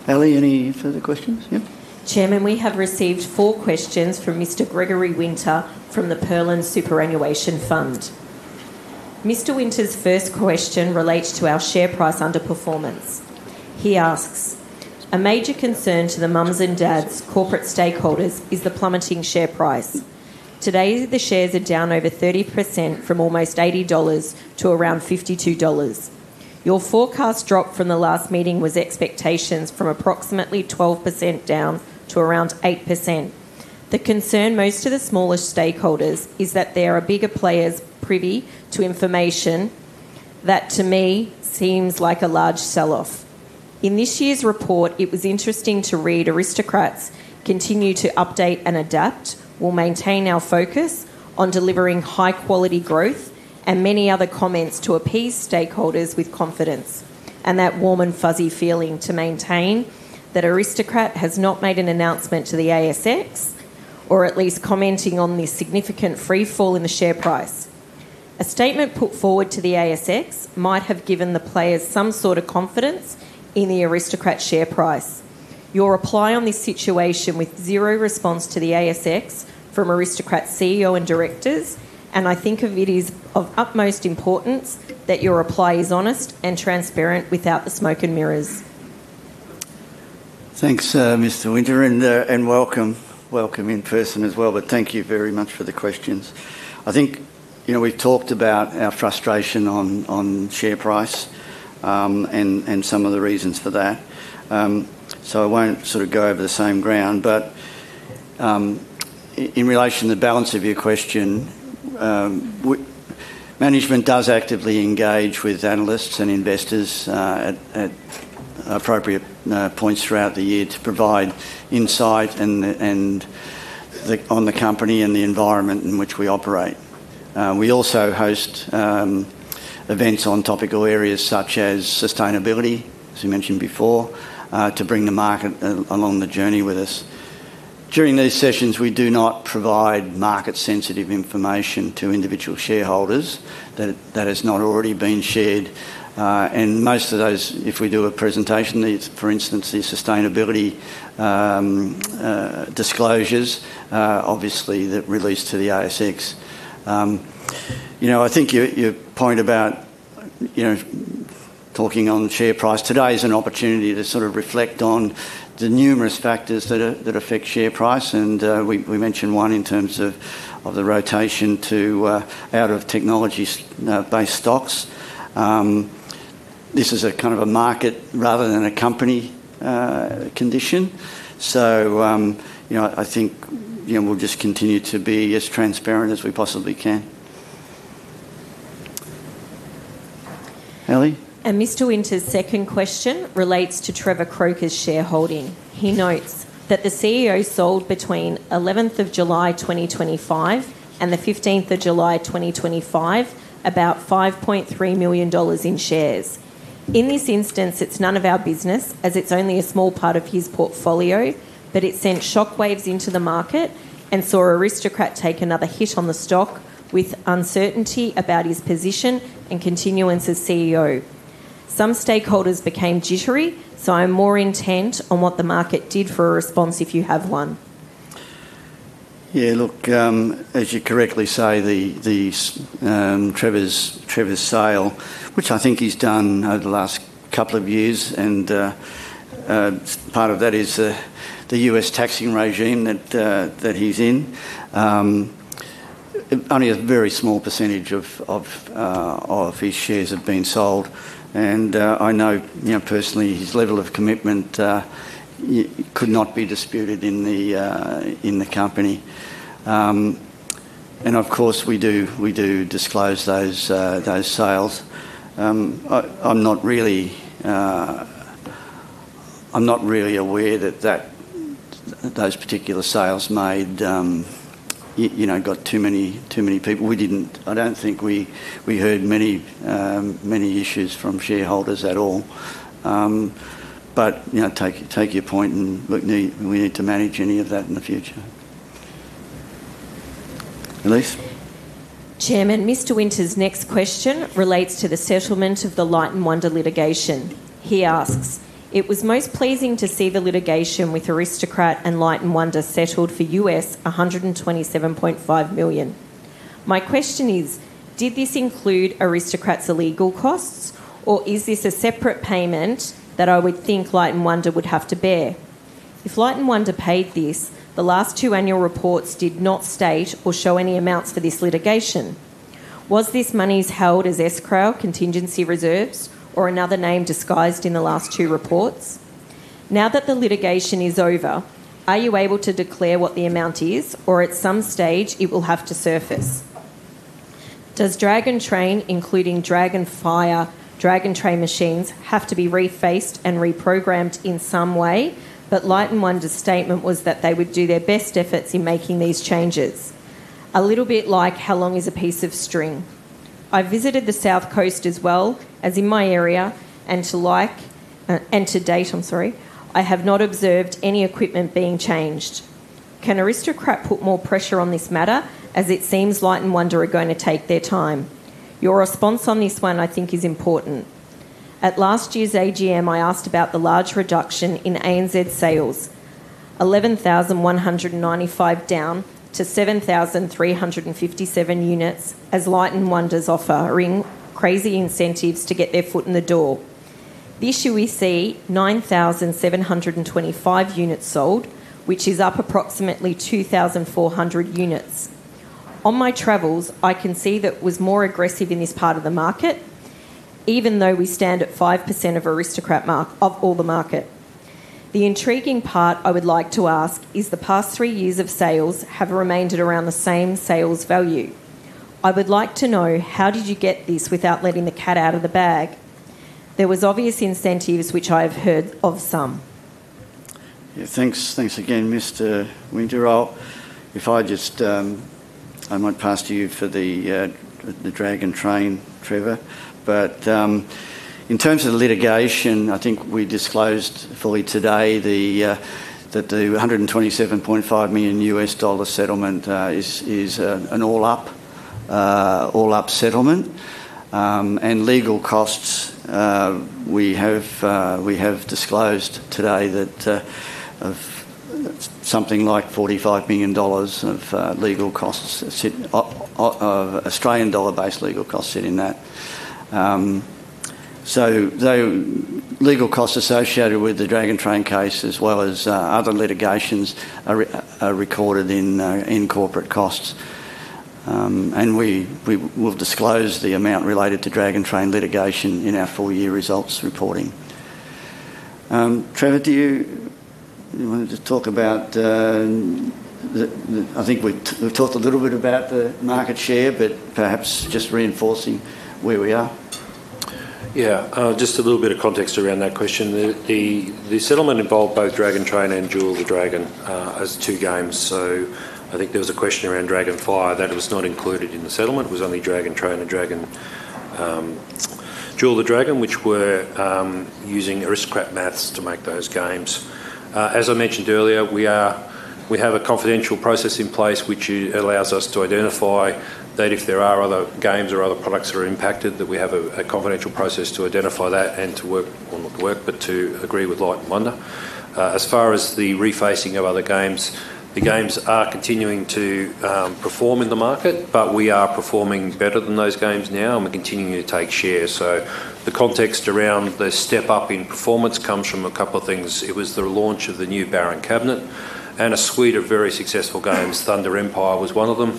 Leske, any further questions? Yeah. Chairman, we have received four questions from Mr. Gregory Winter from the Perlin Superannuation Fund. Mr. Winter's first question relates to our share price underperformance. He asks: A major concern to the mums and dads corporate stakeholders is the plummeting share price. Today, the shares are down over 30% from almost 80 dollars to around 52 dollars. Your forecast drop from the last meeting was expectations from approximately 12% down to around 8%. The concern most to the smaller stakeholders is that there are bigger players privy to information that, to me, seems like a large sell-off. In this year's report, it was interesting to read, "Aristocrat continue to update and adapt, will maintain our focus on delivering high-quality growth," and many other comments to appease stakeholders with confidence, and that warm and fuzzy feeling to maintain that Aristocrat has not made an announcement to the ASX, or at least commenting on this significant freefall in the share price. A statement put forward to the ASX might have given the players some sort of confidence in the Aristocrat share price. Your reply on this situation with zero response to the ASX from Aristocrat CEO and directors, and I think of it is of utmost importance that your reply is honest and transparent without the smoke and mirrors. Thanks, Mr. Winter, and welcome. Welcome in person as well, but thank you very much for the questions. I think, you know, we've talked about our frustration on share price, and some of the reasons for that. So I won't sort of go over the same ground, but in relation to the balance of your question, management does actively engage with analysts and investors at appropriate points throughout the year to provide insight into the company and the environment in which we operate. We also host events on topical areas such as sustainability, as we mentioned before, to bring the market along the journey with us. During these sessions, we do not provide market-sensitive information to individual shareholders that has not already been shared, and most of those, if we do a presentation, for instance, the sustainability disclosures, obviously they're released to the ASX. You know, I think your point about, you know, talking on share price, today is an opportunity to sort of reflect on the numerous factors that affect share price, and, we mentioned one in terms of the rotation to out of technology based stocks. This is a kind of a market rather than a company condition. So, you know, I think, you know, we'll just continue to be as transparent as we possibly can. Leske? Mr. Winter's second question relates to Trevor Croker's shareholding. He notes that the CEO sold between 11th of July 2025 and 15th of July 2025 about 5.3 million dollars in shares. In this instance, it's none of our business, as it's only a small part of his portfolio, but it sent shock waves into the market and saw Aristocrat take another hit on the stock with uncertainty about his position and continuance as CEO. Some stakeholders became jittery, so I'm more intent on what the market did for a response, if you have one. Yeah, look, as you correctly say, Trevor's sale, which I think he's done over the last couple of years, and part of that is the U.S. tax regime that he's in. Only a very small percentage of his shares have been sold, and I know, you know, personally, his level of commitment could not be disputed in the company. And of course, we do disclose those sales. I'm not really aware that those particular sales made, you know, got too many people. We didn't. I don't think we heard many issues from shareholders at all. But, you know, take your point, and we need to manage any of that in the future. Leske? Chairman, Mr. Winter's next question relates to the settlement of the Light & Wonder litigation. He asks: "It was most pleasing to see the litigation with Aristocrat and Light & Wonder settled for $127.5 million. My question is, did this include Aristocrat's legal costs, or is this a separate payment that I would think Light & Wonder would have to bear? If Light & Wonder paid this, the last two annual reports did not state or show any amounts for this litigation. Was this monies held as escrow, contingency reserves, or another name disguised in the last two reports? Now that the litigation is over, are you able to declare what the amount is, or at some stage it will have to surface? Does Dragon Train, including Dragon's Fire, Dragon Train machines, have to be refaced and reprogrammed in some way? But Light & Wonder's statement was that they would do their best efforts in making these changes. A little bit like, how long is a piece of string? I visited the South Coast as well as in my area, and to like, and to date, I'm sorry, I have not observed any equipment being changed. Can Aristocrat put more pressure on this matter, as it seems Light & Wonder are going to take their time? Your response on this one, I think, is important. At last year's AGM, I asked about the large reduction in ANZ sales. 11,195 down to 7,357 units, as Light & Wonder's offering crazy incentives to get their foot in the door. This year we see 9,725 units sold, which is up approximately 2,400 units. On my travels, I can see that was more aggressive in this part of the market, even though we stand at 5% of Aristocrat market of all the market. The intriguing part I would like to ask is, the past three years of sales have remained at around the same sales value. I would like to know, how did you get this without letting the cat out of the bag? There was obvious incentives, which I have heard of some. Yeah, thanks. Thanks again, Mr. Winter. I'll, If I just, I might pass to you for the, the Dragon Train, Trevor. But, in terms of the litigation, I think we disclosed fully today the, that the $127.5 million settlement, is, is, an all-up, all-up settlement. And legal costs, we have, we have disclosed today that, of something like 45 million dollars of legal costs sit, Australian dollar-based legal costs sit in that. So the legal costs associated with the Dragon Train case, as well as, other litigations are are recorded in, in corporate costs. And we, we will disclose the amount related to Dragon Train litigation in our full year results reporting. Trevor, you wanted to talk about the market share. I think we've talked a little bit about the market share, but perhaps just reinforcing where we are. Yeah, just a little bit of context around that question. The settlement involved both Dragon Train and Jewel of the Dragon as two games. So I think there was a question around Dragon Fire. That was not included in the settlement. It was only Dragon Train and Dragon Jewel of the Dragon, which were using Aristocrat maths to make those games. As I mentioned earlier, we have a confidential process in place which allows us to identify that if there are other games or other products that are impacted, that we have a confidential process to identify that and to work, not work, but to agree with Light & Wonder. As far as the refacing of other games, the games are continuing to perform in the market, but we are performing better than those games now, and we're continuing to take share. So the context around the step-up in performance comes from a couple of things. It was the launch of the new Baron Cabinet and a suite of very successful games. Thunder Empire was one of them,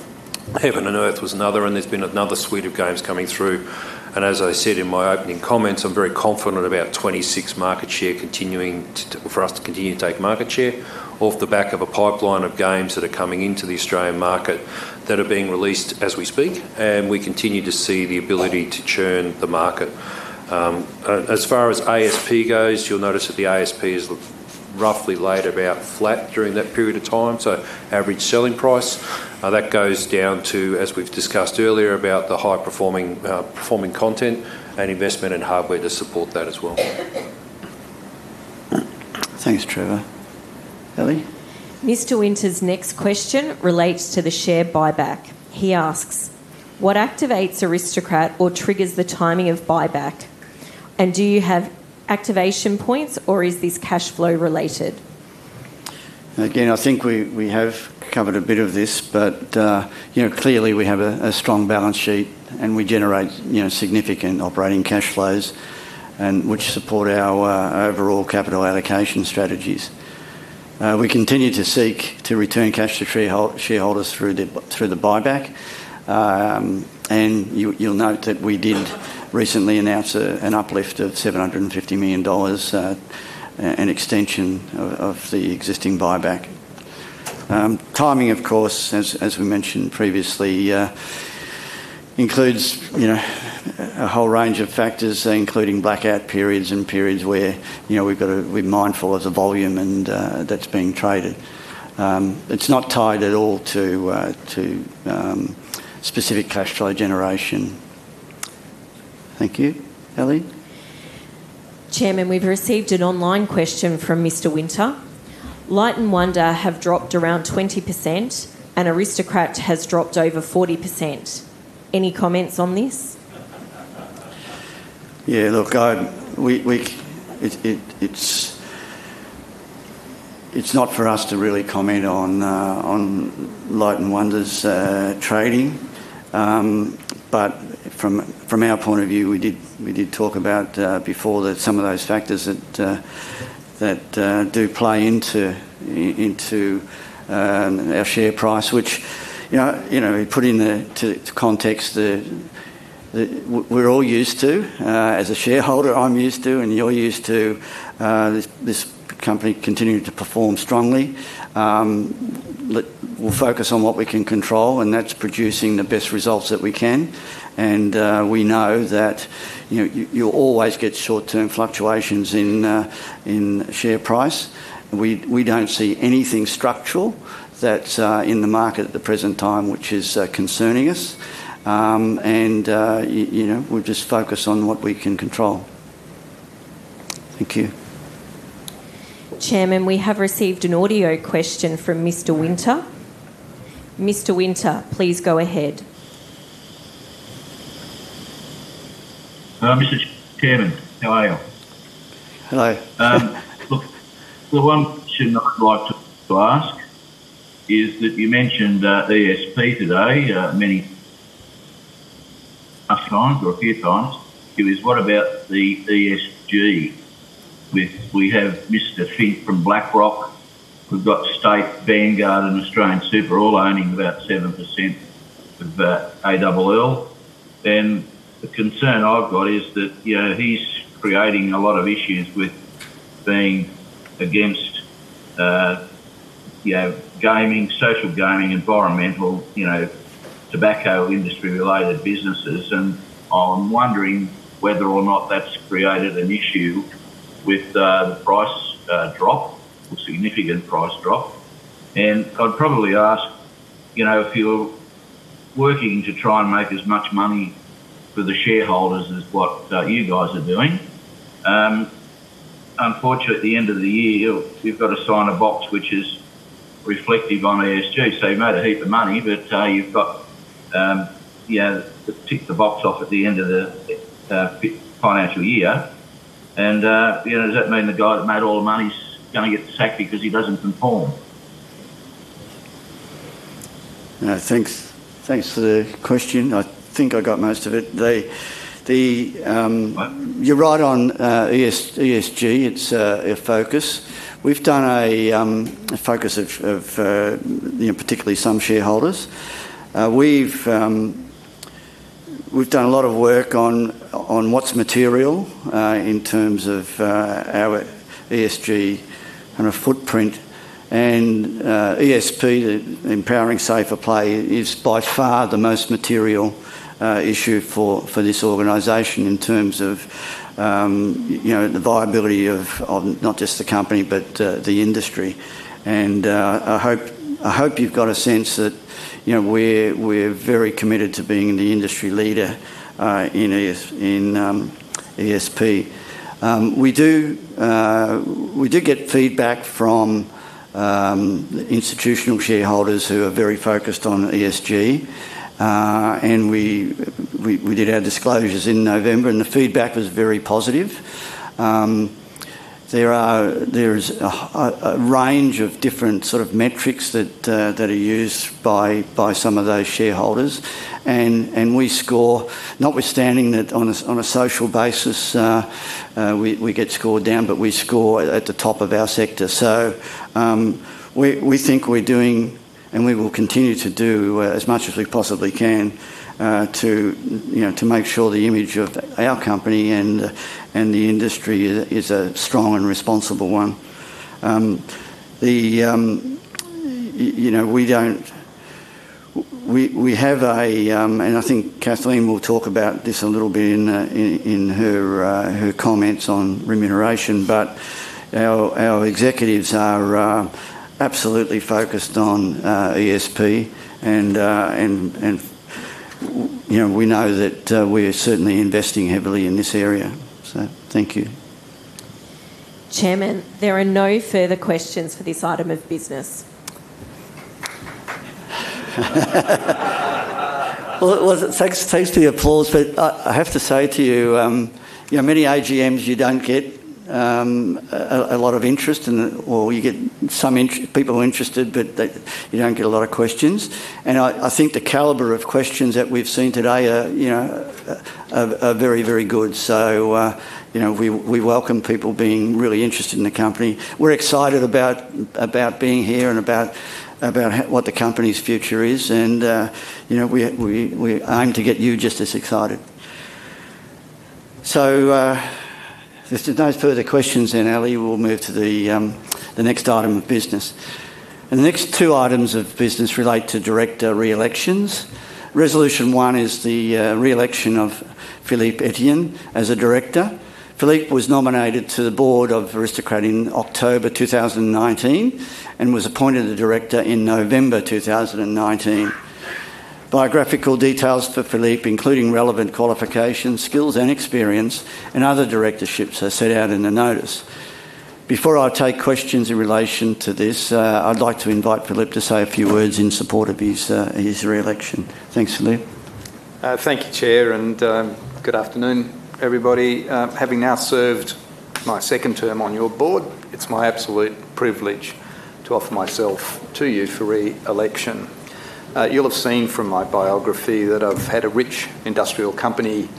Heaven and Earth was another, and there's been another suite of games coming through. And as I said in my opening comments, I'm very confident about 2026 market share continuing to, for us to continue to take market share off the back of a pipeline of games that are coming into the Australian market, that are being released as we speak, and we continue to see the ability to churn the market. As far as ASP goes, you'll notice that the ASP is roughly laid about flat during that period of time. So average selling price, that goes down to, as we've discussed earlier, about the high-performing, performing content and investment in hardware to support that as well. Thanks, Trevor. Leske? Mr. Winter's next question relates to the share buyback. He asks: "What activates Aristocrat or triggers the timing of buyback? And do you have activation points, or is this cash flow related? Again, I think we, we have covered a bit of this, but, you know, clearly, we have a, a strong balance sheet, and we generate, you know, significant operating cash flows, and which support our, overall capital allocation strategies. We continue to seek to return cash to shareholders through the, through the buyback. And you, you'll note that we did recently announce an uplift of 750 million dollars, an extension of the existing buyback. Timing, of course, as we mentioned previously, includes, you know, a whole range of factors, including blackout periods and periods where, you know, we've got to be mindful of the volume and, that's being traded. It's not tied at all to, to, specific cash flow generation. Thank you. Ellie? Chairman, we've received an online question from Mr. Winter: "Light & Wonder have dropped around 20%, and Aristocrat has dropped over 40%. Any comments on this? Yeah, look, it's not for us to really comment on Light & Wonder's trading. But from our point of view, we did talk about before that some of those factors that do play into our share price, which, you know, put in the context the. We're all used to, as a shareholder, I'm used to, and you're used to, this company continuing to perform strongly. We'll focus on what we can control, and that's producing the best results that we can. And we know that, you know, you'll always get short-term fluctuations in share price. We don't see anything structural that's in the market at the present time, which is concerning us. You know, we'll just focus on what we can control. Thank you. Chairman, we have received an audio question from Mr. Winter. Mr. Winter, please go ahead. Mr. Chairman, how are you? Hello. Look, the one question I'd like to ask is that you mentioned ESP today many times or a few times. It is, what about the ESG? With we have Mr. Fink from BlackRock, we've got State Street, Vanguard, and AustralianSuper all owning about 7% of ALL. And the concern I've got is that, you know, he's creating a lot of issues with being against, you know, gaming, social gaming, environmental, you know, tobacco industry-related businesses. And I'm wondering whether or not that's created an issue with the price drop, the significant price drop. And I'd probably ask, you know, if you're working to try and make as much money for the shareholders as what you guys are doing, unfortunately, at the end of the year, you've, you've got to sign a box which is reflective on ESG. So you made a heap of money, but you've got, you know, to tick the box off at the end of the financial year. You know, does that mean the guy that made all the money is gonna get sacked because he doesn't conform? Thanks, thanks for the question. I think I got most of it. Right. You're right on ESG. It's a focus. We've done a focus of, you know, particularly some shareholders. We've done a lot of work on what's material in terms of our ESG and our footprint. And ESP, the Empowering Safer Play, is by far the most material issue for this organization in terms of, you know, the viability of not just the company, but the industry. And I hope you've got a sense that, you know, we're very committed to being the industry leader in ESP. We do get feedback from institutional shareholders who are very focused on ESG. And we did our disclosures in November, and the feedback was very positive. There is a range of different sort of metrics that are used by some of those shareholders, and we score. Notwithstanding that on a social basis, we get scored down, but we score at the top of our sector. So, we think we're doing, and we will continue to do as much as we possibly can to, you know, to make sure the image of our company and the industry is a strong and responsible one. You know, we don't. We have a. And I think Kathleen will talk about this a little bit in her comments on remuneration, but our executives are absolutely focused on ESP, and you know, we know that we are certainly investing heavily in this area. So thank you. Chairman, there are no further questions for this item of business. Well, well, thanks, thanks for the applause, but I, I have to say to you, you know, many AGMs, you don't get a lot of interest in the, or you get some people interested, but they, you don't get a lot of questions. And I, I think the caliber of questions that we've seen today are, you know, are very, very good. So, you know, we welcome people being really interested in the company. We're excited about being here and about what the company's future is, and, you know, we aim to get you just as excited. So, if there's no further questions then, Leske, we'll move to the next item of business. And the next two items of business relate to director reelections. Resolution one is the reelection of Philippe Etienne as a director. Philippe was nominated to the board of Aristocrat in October 2019, and was appointed a director in November 2019. Biographical details for Philippe, including relevant qualifications, skills, and experience, and other directorships, are set out in the notice. Before I take questions in relation to this, I'd like to invite Philippe to say a few words in support of his reelection. Thanks, Philippe. Thank you, Chair, and good afternoon, everybody. Having now served my second term on your board, it's my absolute privilege to offer myself to you for re-election. You'll have seen from my biography that I've had a rich industrial company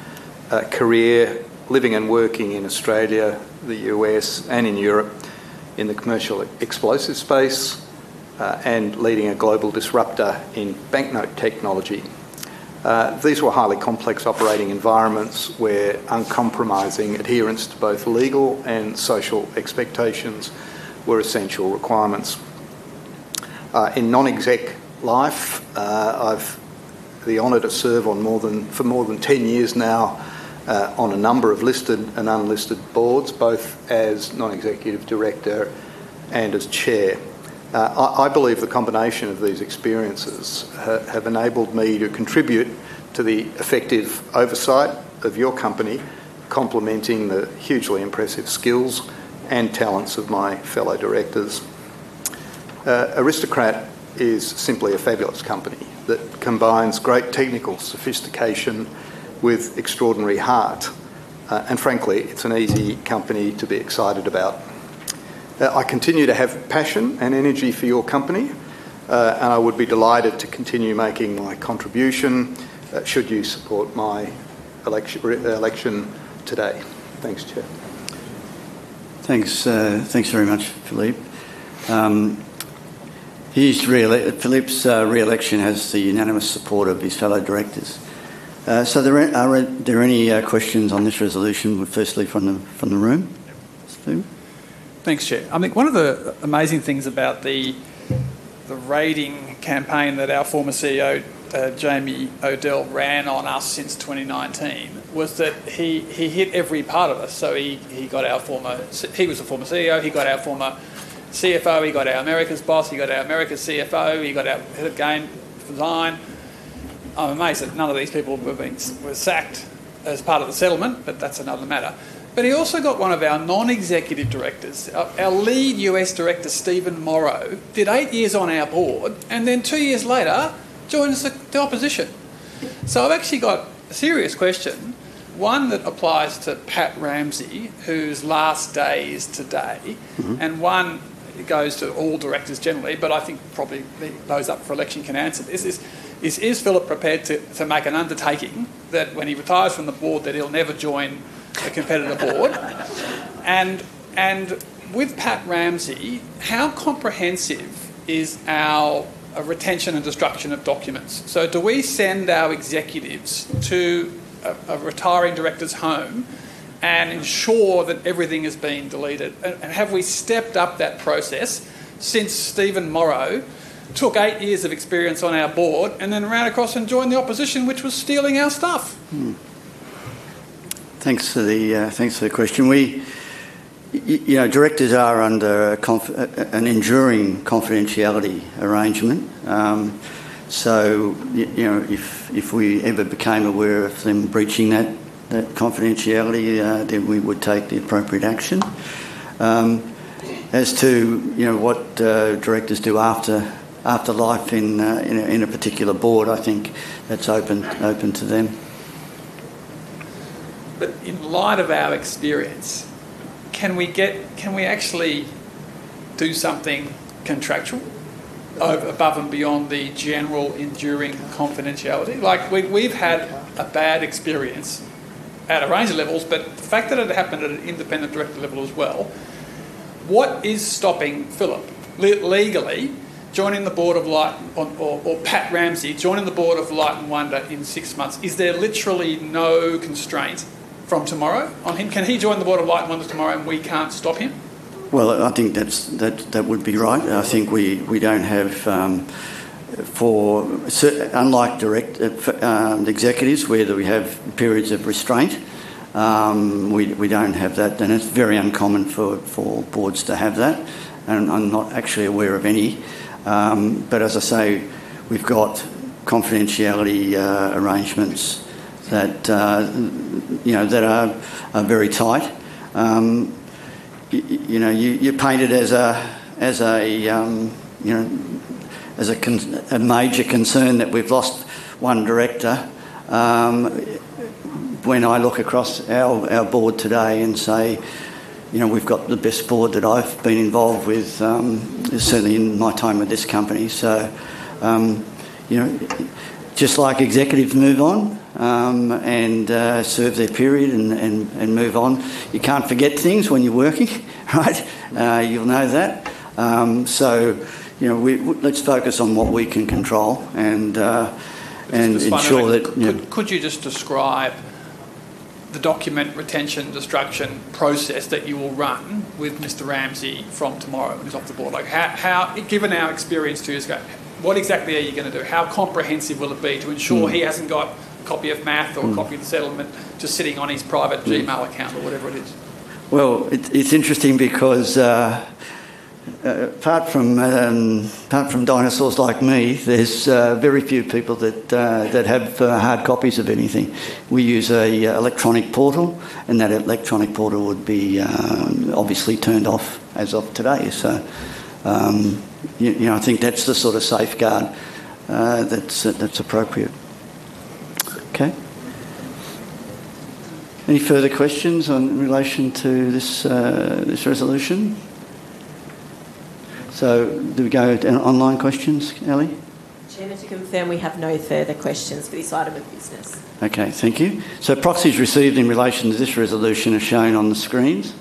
career, living and working in Australia, the U.S., and in Europe, in the commercial explosives space, and leading a global disruptor in banknote technology. These were highly complex operating environments, where uncompromising adherence to both legal and social expectations were essential requirements. In non-exec life, I've the honor to serve for more than 10 years now, on a number of listed and unlisted boards, both as non-executive director and as chair. I believe the combination of these experiences have enabled me to contribute to the effective oversight of your company, complementing the hugely impressive skills and talents of my fellow directors. Aristocrat is simply a fabulous company that combines great technical sophistication with extraordinary heart. And frankly, it's an easy company to be excited about. I continue to have passion and energy for your company, and I would be delighted to continue making my contribution, should you support my re-election today. Thanks, Chair. Thanks, thanks very much, Philippe. Philippe's reelection has the unanimous support of his fellow directors. So, are there any questions on this resolution, firstly from the room? Steven. Thanks, Chair. I think one of the amazing things about the raiding campaign that our former CEO, Jamie Odell, ran on us since 2019, was that he hit every part of us. So he got our former CFO. He was a former CEO, he got our former CFO, he got our Americas boss, he got our Americas CFO, he got our head of game design. I'm amazed that none of these people were sacked as part of the settlement, but that's another matter. But he also got one of our non-executive directors. Our lead U.S. director, Stephen Morrow, did eight years on our board, and then two years later, joined the opposition. So I've actually got a serious question, one that applies to Pat Ramsey, whose last day is today and one goes to all directors generally, but I think probably those up for election can answer this. Is Philippe prepared to make an undertaking that when he retires from the board, that he'll never join a competitor board? And with Pat Ramsey, how comprehensive is our retention and destruction of documents? So do we send our executives to a retiring director's home and ensure that everything is being deleted? And have we stepped up that process since Stephen Morrow took eight years of experience on our board and then ran across and joined the opposition, which was stealing our stuff? Thanks for the, thanks for the question. We, you know, directors are under an enduring confidentiality arrangement. So you know, if, if we ever became aware of them breaching that, that confidentiality, then we would take the appropriate action. As to, you know, what directors do after, after life in a particular board, I think that's open, open to them. But in light of our experience, can we actually do something contractual above and beyond the general enduring confidentiality? Like, we've, we've had a bad experience at a range of levels, but the fact that it happened at an independent director level as well, what is stopping Philippe legally joining the board of Light & Wonder, or Pat Ramsey joining the board of Light & Wonder in six months? Is there literally no constraint from tomorrow on him? Can he join the board of Light & Wonder tomorrow, and we can't stop him? Well, I think that's right. I think we don't have, unlike executives, where we have periods of restraint. We don't have that, and it's very uncommon for boards to have that. And I'm not actually aware of any. But as I say, we've got confidentiality arrangements that you know are very tight. You know, you paint it as a major concern that we've lost one director. When I look across our board today and say, "You know, we've got the best board that I've been involved with, certainly in my time at this company." So, you know, just like executives move on, and serve their period and move on, you can't forget things when you're working, right? You'll know that. So, you know, let's focus on what we can control and ensure that- Just finally, could you just describe the document retention, destruction process that you will run with Mr. Ramsey from tomorrow. He's off the board. Like, how, given our experience two years ago, what exactly are you gonna do? How comprehensive will it be to ensure he hasn't got a copy of math or a copy of the settlement just sitting on his private Gmail account or whatever it is? Well, it, it's interesting because, apart from, apart from dinosaurs like me, there's very few people that that have hard copies of anything. We use a electronic portal, and that electronic portal would be obviously turned off as of today. So, you, you know, I think that's the sort of safeguard that's that's appropriate. Okay. Any further questions in relation to this this resolution? So do we go to online questions, Leske? Chairman, to confirm, we have no further questions for this item of business. Okay, thank you. So proxies received in relation to this resolution are shown on the screens.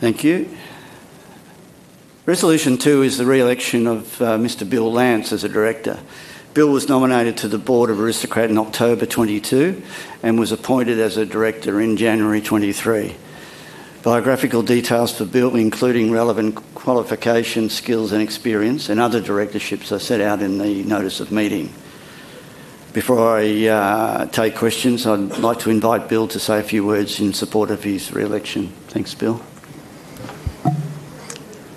Thank you. Resolution 2 is the re-election of Mr. Bill Lance as a director. Bill was nominated to the board of Aristocrat in October 2022, and was appointed as a director in January 2023. Biographical details for Bill, including relevant qualifications, skills, and experience, and other directorships, are set out in the notice of meeting. Before I take questions, I'd like to invite Bill to say a few words in support of his re-election. Thanks, Bill.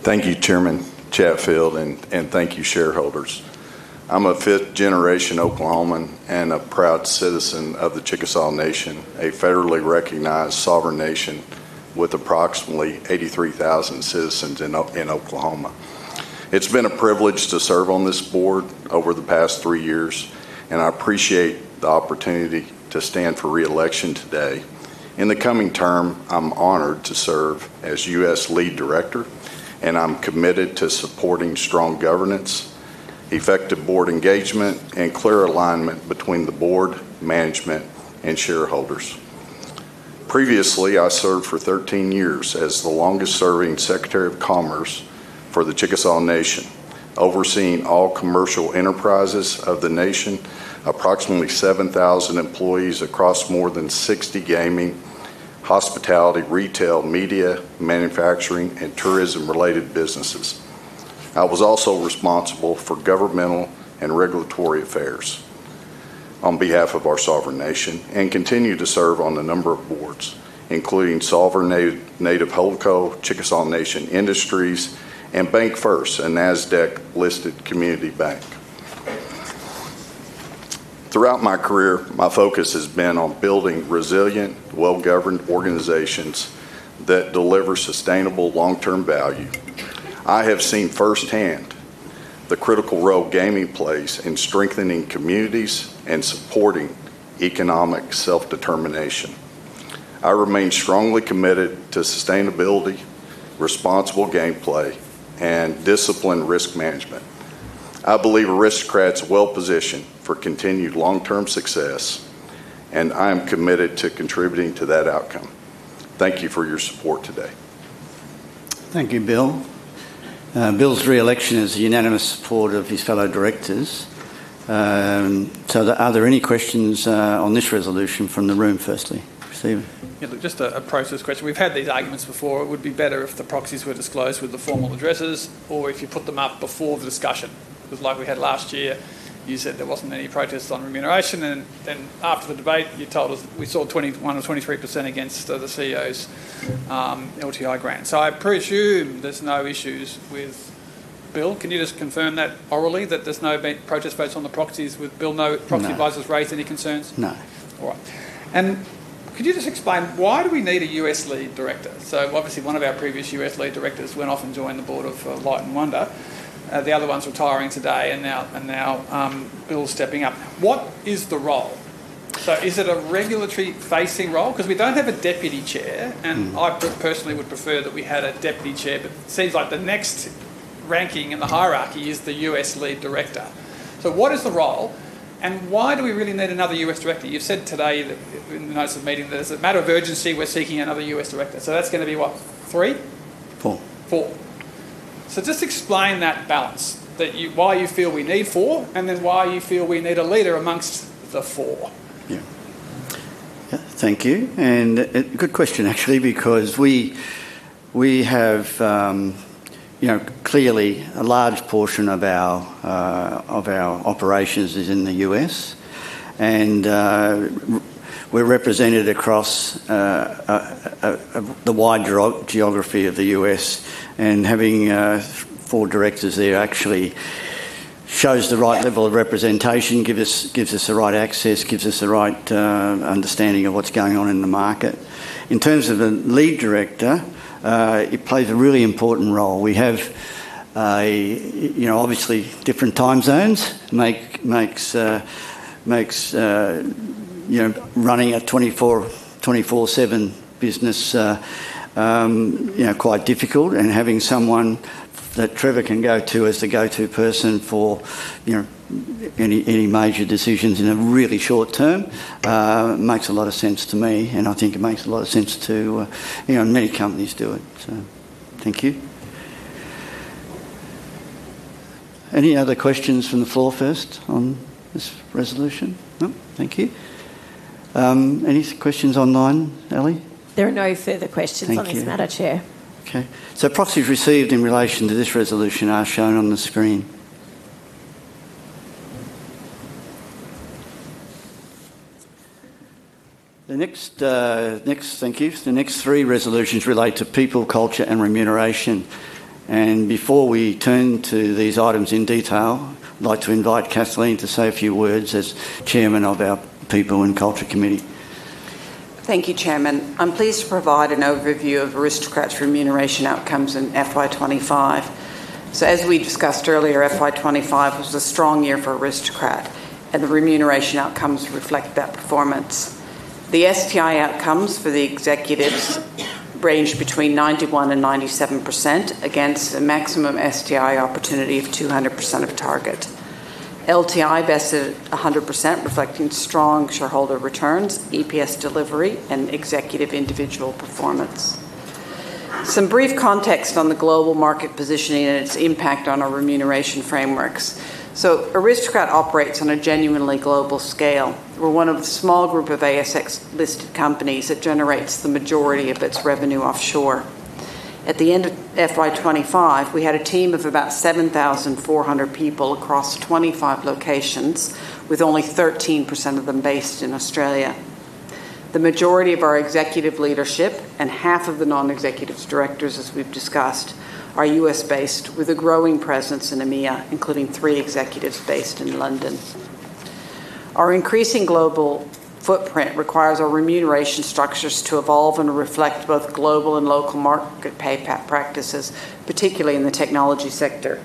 Thank you, Chairman Chatfield, and thank you, shareholders. I'm a fifth-generation Oklahoman and a proud citizen of the Chickasaw Nation, a federally recognized sovereign nation with approximately 83,000 citizens in Oklahoma. It's been a privilege to serve on this board over the past three years, and I appreciate the opportunity to stand for re-election today. In the coming term, I'm honored to serve as U.S. lead director, and I'm committed to supporting strong governance, effective board engagement, and clear alignment between the board, management, and shareholders. Previously, I served for 13 years as the longest-serving Secretary of Commerce for the Chickasaw Nation, overseeing all commercial enterprises of the nation, approximately 7,000 employees across more than 60 gaming, hospitality, retail, media, manufacturing, and tourism-related businesses. I was also responsible for governmental and regulatory affairs on behalf of our sovereign nation, and continue to serve on a number of boards, including Sovereign Native HoldCo, Chickasaw Nation Industries, and BancFirst, a NASDAQ-listed community bank. Throughout my career, my focus has been on building resilient, well-governed organizations that deliver sustainable long-term value. I have seen firsthand the critical role gaming plays in strengthening communities and supporting economic self-determination. I remain strongly committed to sustainability, responsible gameplay, and disciplined risk management. I believe Aristocrat's well-positioned for continued long-term success, and I am committed to contributing to that outcome. Thank you for your support today. Thank you, Bill. Bill's re-election has the unanimous support of his fellow directors. So are there any questions on this resolution from the room firstly? Steven. Yeah, look, just a process question. We've had these arguments before. It would be better if the proxies were disclosed with the formal addresses, or if you put them up before the discussion. Because like we had last year, you said there wasn't any protests on remuneration, and then after the debate, you told us we saw 21% or 23% against the CEO's LTI grant. So I presume there's no issues with Bill. Can you just confirm that orally, that there's no protest votes on the proxies with Bill? No- No. Proxy advisors raised any concerns? No. All right. And could you just explain, why do we need a U.S. lead director? So obviously, one of our previous U.S. lead directors went off and joined the board of, Light & Wonder. The other one's retiring today, and now, and now, Bill's stepping up. What is the role? So is it a regulatory-facing role? 'Cause we don't have a deputy chair and I personally would prefer that we had a deputy chair, but it seems like the next ranking in the hierarchy is the U.S. lead director. So what is the role, and why do we really need another U.S. director? You've said today that, in the notice of meeting, that as a matter of urgency, we're seeking another U.S. director. So that's gonna be, what? Three? Four. Four. So just explain that balance, that you, why you feel we need four, and then why you feel we need a leader amongst the four. Yeah. Yeah, thank you, and, good question, actually, because we, we have, you know, clearly a large portion of our, of our operations is in the U.S., and, we're represented across, the wider geography of the U.S. And having, four directors there actually shows the right level of representation, give us, gives us the right access, gives us the right, understanding of what's going on in the market. In terms of the lead director, it plays a really important role. We have a, you know, obviously, different time zones, make, makes, makes, you know, running a 24/7 business, you know, quite difficult. And having someone that Trevor can go to as the go-to person for, you know, any major decisions in a really short term makes a lot of sense to me, and I think it makes a lot of sense to, you know, and many companies do it, so thank you. Any other questions from the floor first on this resolution? No? Thank you. Any questions online, Ellie? There are no further questions. Thank you. On this matter, Chair. Okay. So proxies received in relation to this resolution are shown on the screen. The next, thank you. The next three resolutions relate to people, culture, and remuneration. Before we turn to these items in detail, I'd like to invite Kathleen to say a few words as Chairman of our People and Culture Committee. Thank you, Chairman. I'm pleased to provide an overview of Aristocrat's remuneration outcomes in FY 2025. So as we discussed earlier, FY 2025 was a strong year for Aristocrat, and the remuneration outcomes reflect that performance. The STI outcomes for the executives ranged between 91% and 97%, against a maximum STI opportunity of 200% of target. LTI vested 100%, reflecting strong shareholder returns, EPS delivery, and executive individual performance. Some brief context on the global market positioning and its impact on our remuneration frameworks. So Aristocrat operates on a genuinely global scale. We're one of the small group of ASX-listed companies that generates the majority of its revenue offshore. At the end of FY 2025, we had a team of about 7,400 people across 25 locations, with only 13% of them based in Australia. The majority of our executive leadership and half of the non-executive directors, as we've discussed, are U.S.-based, with a growing presence in EMEA, including three executives based in London. Our increasing global footprint requires our remuneration structures to evolve and reflect both global and local market pay practices, particularly in the technology sector.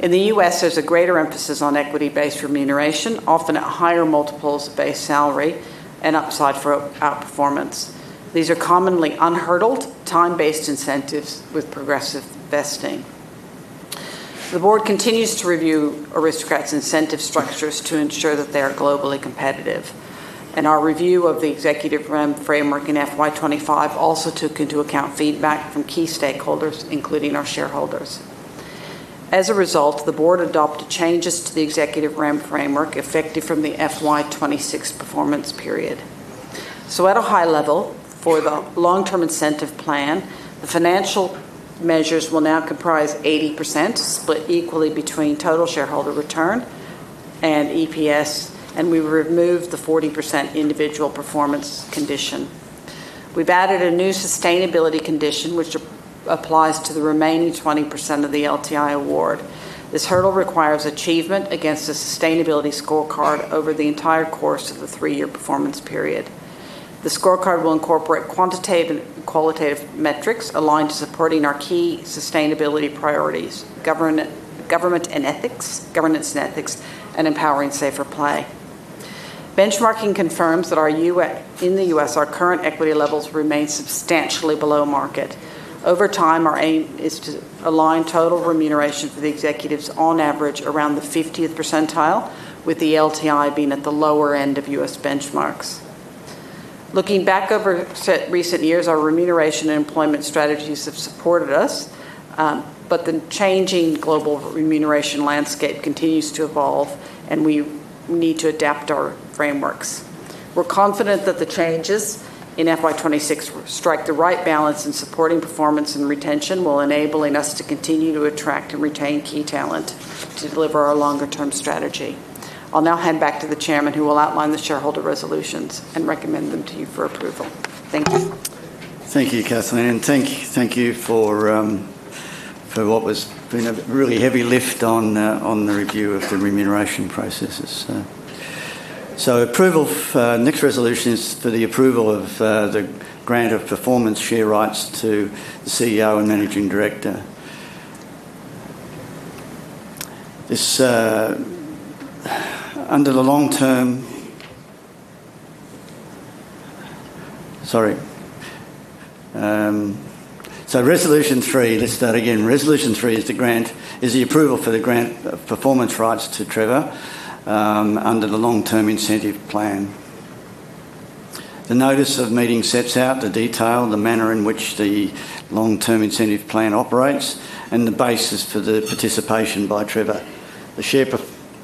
In the U.S., there's a greater emphasis on equity-based remuneration, often at higher multiples of base salary and upside for outperformance. These are commonly unhurdled, time-based incentives with progressive vesting. The board continues to review Aristocrat's incentive structures to ensure that they are globally competitive, and our review of the executive REM framework in FY 2025 also took into account feedback from key stakeholders, including our shareholders. As a result, the board adopted changes to the executive REM framework, effective from the FY 2026 performance period. So at a high level, for the long-term incentive plan, the financial measures will now comprise 80%, split equally between total shareholder return and EPS, and we've removed the 40% individual performance condition. We've added a new sustainability condition, which applies to the remaining 20% of the LTI award. This hurdle requires achievement against a sustainability scorecard over the entire course of the three-year performance period. The scorecard will incorporate quantitative and qualitative metrics aligned to supporting our key sustainability priorities: governance and ethics, and empowering safer play. Benchmarking confirms that in the US, our current equity levels remain substantially below market. Over time, our aim is to align total remuneration for the executives on average around the 50th percentile, with the LTI being at the lower end of US benchmarks. Looking back over recent years, our remuneration and employment strategies have supported us, but the changing global remuneration landscape continues to evolve, and we need to adapt our frameworks. We're confident that the changes in FY 2026 strike the right balance in supporting performance and retention, while enabling us to continue to attract and retain key talent to deliver our longer-term strategy. I'll now hand back to the Chairman, who will outline the shareholder resolutions and recommend them to you for approval. Thank you. Thank you, Kathleen, and thank you, thank you for, for what was been a really heavy lift on, on the review of the remuneration processes. So, approval for-- next resolution is for the approval of, the grant of performance share rights to the CEO and managing director. This, under the long-term. So Resolution three, let's start again. Resolution three is the grant, is the approval for the grant of performance rights to Trevor, under the long-term incentive plan. The notice of meeting sets out the detail, the manner in which the long-term incentive plan operates, and the basis for the participation by Trevor.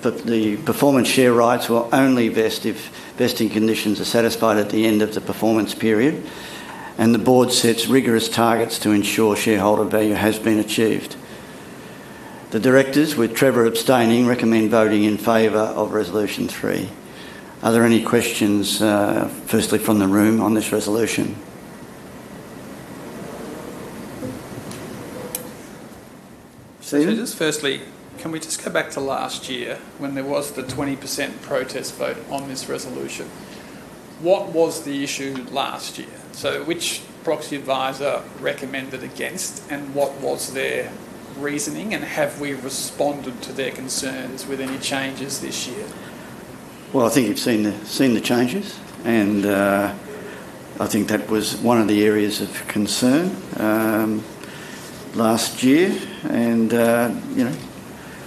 The share perf- the, the performance share rights will only vest if vesting conditions are satisfied at the end of the performance period, and the board sets rigorous targets to ensure shareholder value has been achieved. The directors, with Trevor abstaining, recommend voting in favor of Resolution 3. Are there any questions, firstly from the room on this resolution? Steven? Just firstly, can we just go back to last year when there was the 20% protest vote on this resolution? What was the issue last year? So which proxy advisor recommended against, and what was their reasoning, and have we responded to their concerns with any changes this year? Well, I think you've seen the changes, and I think that was one of the areas of concern last year. You know,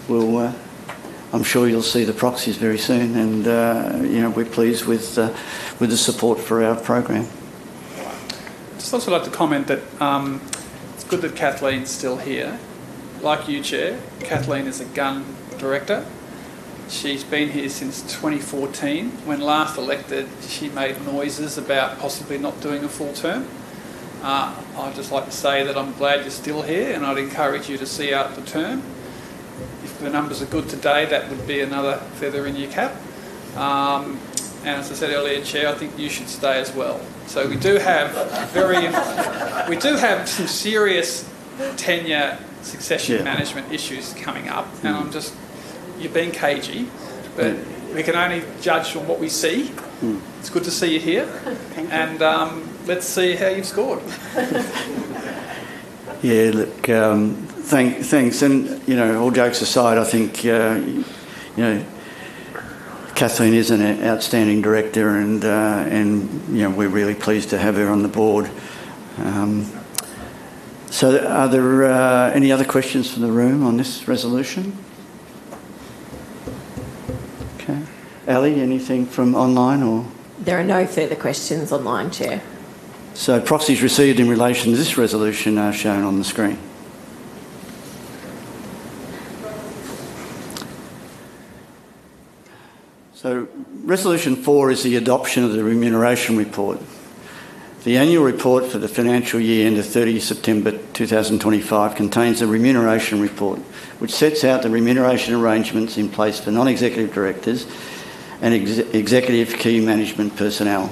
I'm sure you'll see the proxies very soon, and you know, we're pleased with the support for our program. I'd just also like to comment that, it's good that Kathleen's still here. Like you, Chair, Kathleen is a gun director. She's been here since 2014. When last elected, she made noises about possibly not doing a full term. I'd just like to say that I'm glad you're still here, and I'd encourage you to see out the term. If the numbers are good today, that would be another feather in your cap. And as I said earlier, Chair, I think you should stay as well. So we do have some serious tenure succession management issues coming up, and I'm just. You're being cagey. But we can only judge from what we see. It's good to see you here. Thank you. Let's see how you've scored. Yeah, look, thanks. You know, all jokes aside, I think, you know, Kathleen is an outstanding director and, you know, we're really pleased to have her on the board. Are there any other questions from the room on this resolution? Okay. Ally, anything from online or? There are no further questions online, Chair. Proxies received in relation to this resolution are shown on the screen. Resolution 4 is the adoption of the remuneration report. The annual report for the financial year ending 30th September 2025 contains a remuneration report, which sets out the remuneration arrangements in place for non-executive directors and executive key management personnel.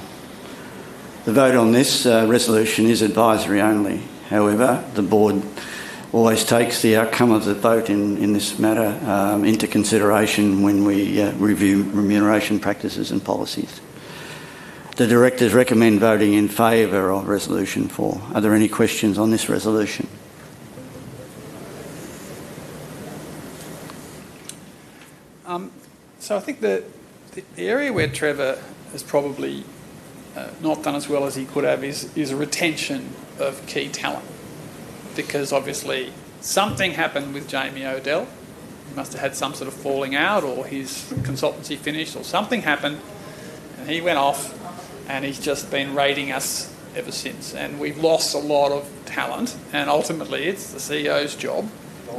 The vote on this resolution is advisory only. However, the board always takes the outcome of the vote in this matter into consideration when we review remuneration practices and policies. The directors recommend voting in favor of Resolution 4. Are there any questions on this resolution? So I think the area where Trevor has probably not done as well as he could have is retention of key talent, because obviously, something happened with Jamie Odell. He must have had some sort of falling out, or his consultancy finished, or something happened, and he went off, and he's just been raiding us ever since. And we've lost a lot of talent, and ultimately, it's the CEO's job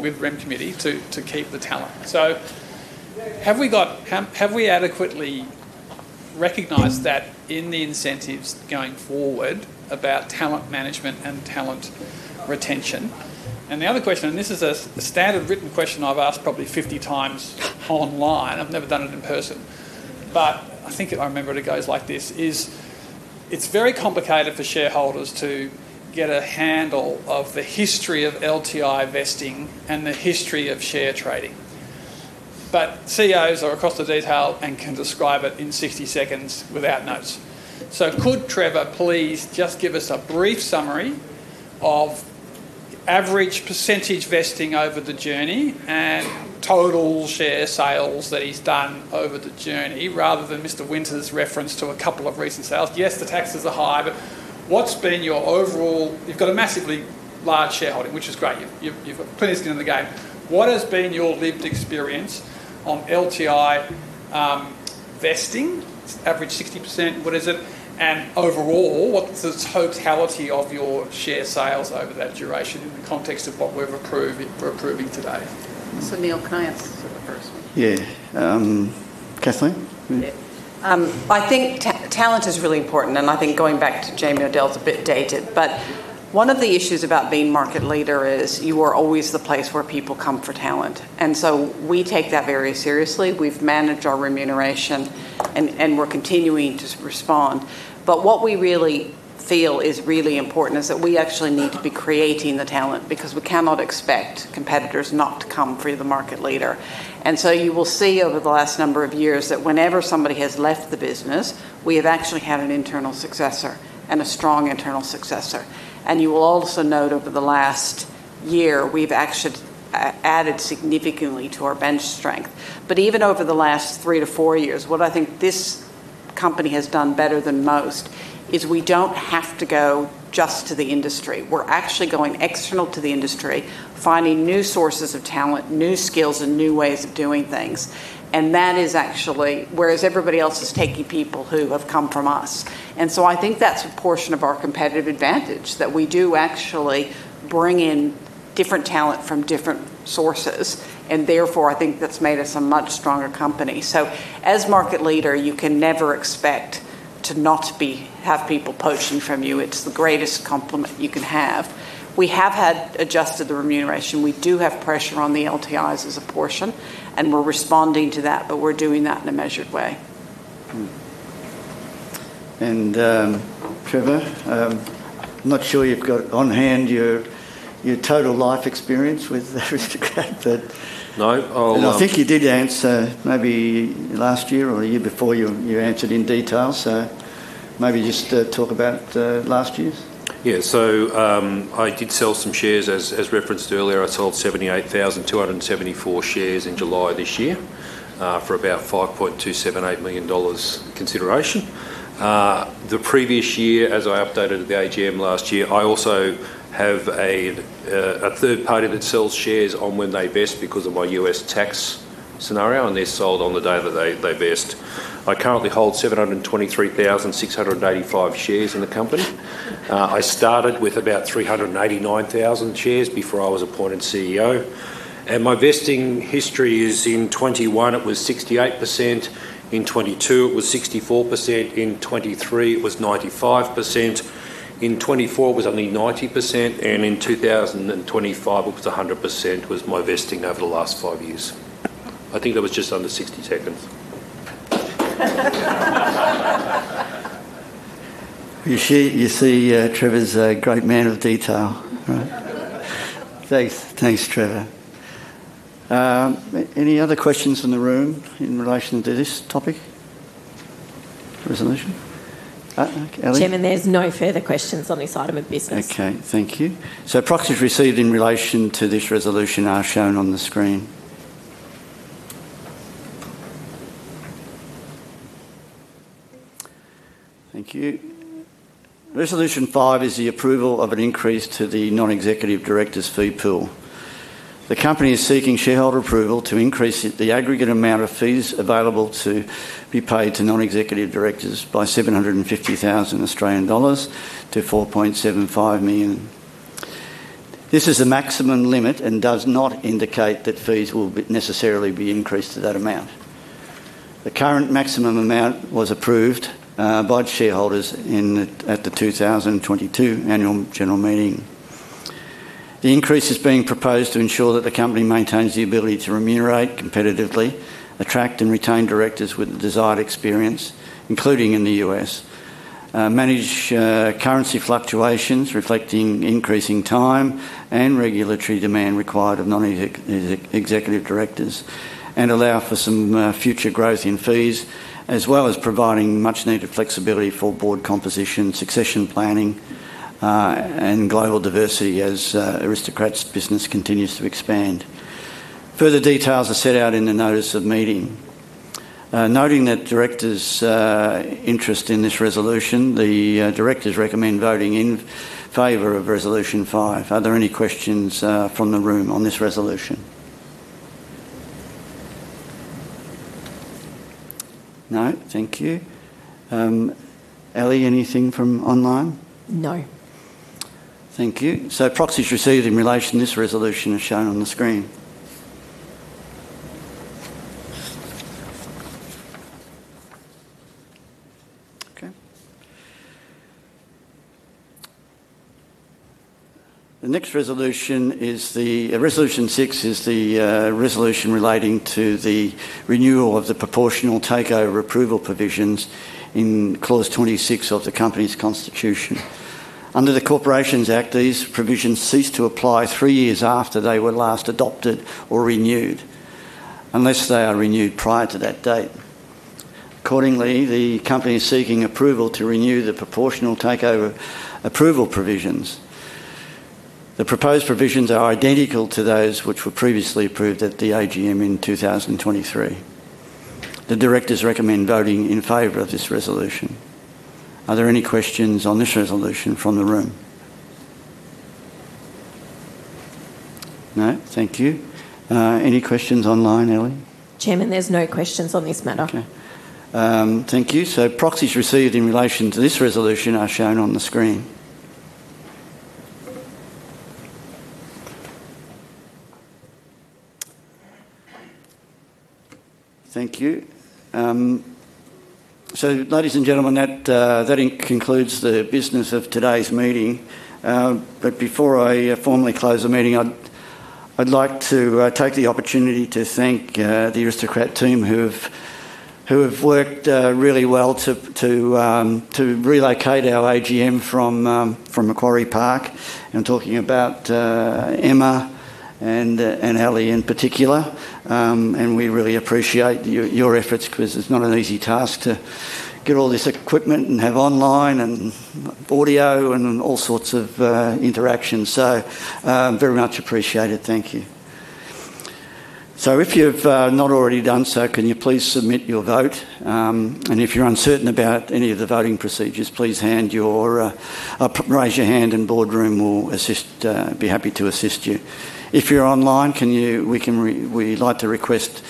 with the Remuneration Committee to keep the talent. So have we adequately recognized that in the incentives going forward about talent management and talent retention? And the other question, and this is a standard written question I've asked probably 50x online, I've never done it in person, but I think if I remember it, it goes like this, is: It's very complicated for shareholders to get a handle of the history of LTI vesting and the history of share trading. But CEOs are across the detail and can describe it in 60 seconds without notes. So could Trevor, please, just give us a brief summary of average percentage vesting over the journey and total share sales that he's done over the journey, rather than Mr. Trevor reference to a couple of recent sales? Yes, the taxes are high, but what's been your overall. You've got a massively large shareholding, which is great. You've, you've, you've put your skin in the game. What has been your lived experience on LTI vesting? It's average 60%, what is it? Overall, what's the totality of your share sales over that duration in the context of what we've approved, we're approving today? Neil, Kath is the first one. Yeah, Kathleen? Yeah. I think talent is really important, and I think going back to Jamie Odell is a bit dated, but one of the issues about being market leader is you are always the place where people come for talent. And so we take that very seriously. We've managed our remuneration, and we're continuing to respond. But what we really feel is really important is that we actually need to be creating the talent, because we cannot expect competitors not to come for the market leader. And so you will see over the last number of years, that whenever somebody has left the business, we have actually had an internal successor and a strong internal successor. And you will also note over the last year, we've actually added significantly to our bench strength. But even over the last three to four years, what I think this company has done better than most is we don't have to go just to the industry. We're actually going external to the industry, finding new sources of talent, new skills, and new ways of doing things. And that is actually. Whereas everybody else is taking people who have come from us. And so I think that's a portion of our competitive advantage, that we do actually bring in different talent from different sources, and therefore, I think that's made us a much stronger company. So as market leader, you can never expect to not be-- have people poaching from you. It's the greatest compliment you can have. We have had adjusted the remuneration. We do have pressure on the LTIs as a portion, and we're responding to that, but we're doing that in a measured way. Trevor, I'm not sure you've got on hand your, your total life experience with Aristocrat, but. No, I'll. But I think you did answer, maybe last year or the year before, you answered in detail, so maybe just talk about last year's. Yeah. So, I did sell some shares. As, as referenced earlier, I sold 78,274 shares in July this year, for about $5.278 million consideration. The previous year, as I updated at the AGM last year, I also have a third party that sells shares on when they vest because of my U.S. tax scenario, and they sold on the day that they vest. I currently hold 723,685 shares in the company. I started with about 389,000 shares before I was appointed CEO, and my vesting history is: in 2021, it was 68%; in 2022, it was 64%; in 2023, it was 95%; in 2024, it was only 90%; and in 2025, it was 100%, was my vesting over the last five years. I think that was just under 60 seconds. You see, you see, Trevor's a great man of detail, right? Thanks. Thanks, Trevor. Any other questions from the room in relation to this topic? Resolution? Leske. Chairman, there's no further questions on this item of business. Okay, thank you. So proxies received in relation to this resolution are shown on the screen. Thank you. Resolution 5 is the approval of an increase to the non-executive directors' fee pool. The company is seeking shareholder approval to increase the aggregate amount of fees available to be paid to non-executive directors by 750,000 Australian dollars to 4.75 million. This is a maximum limit and does not indicate that fees will be, necessarily be increased to that amount. The current maximum amount was approved by shareholders in at the 2022 Annual General Meeting. The increase is being proposed to ensure that the company maintains the ability to remunerate competitively, attract and retain directors with the desired experience, including in the U.S. Manage currency fluctuations, reflecting increasing time and regulatory demand required of non-executive directors, and allow for some future growth in fees, as well as providing much-needed flexibility for board composition, succession planning, and global diversity as Aristocrat's business continues to expand. Further details are set out in the notice of meeting. Noting that directors' interest in this resolution, the directors recommend voting in favor of Resolution five. Are there any questions from the room on this resolution? No? Thank you. Ellie, anything from online? No. Thank you. So proxies received in relation to this resolution are shown on the screen. Okay. The next resolution is the Resolution 6 is the resolution relating to the renewal of the proportional takeover approval provisions in Clause 26 of the company's constitution. Under the Corporations Act, these provisions cease to apply three years after they were last adopted or renewed, unless they are renewed prior to that date. Accordingly, the company is seeking approval to renew the proportional takeover approval provisions. The proposed provisions are identical to those which were previously approved at the AGM in 2023. The directors recommend voting in favor of this resolution. Are there any questions on this resolution from the room? No, thank you. Any questions online, Ellie? Chairman, there's no questions on this matter. Okay. Thank you. So proxies received in relation to this resolution are shown on the screen. Thank you. So ladies and gentlemen, that concludes the business of today's meeting. But before I formally close the meeting, I'd like to take the opportunity to thank the Aristocrat team, who have worked really well to relocate our AGM from Macquarie Park, I'm talking about Emma and Ellie in particular. And we really appreciate your efforts because it's not an easy task to get all this equipment and have online and audio and all sorts of interactions. So very much appreciated. Thank you. So if you've not already done so, can you please submit your vote? And if you're uncertain about any of the voting procedures, please raise your hand, and Boardroom will be happy to assist you. If you're online, we'd like to request that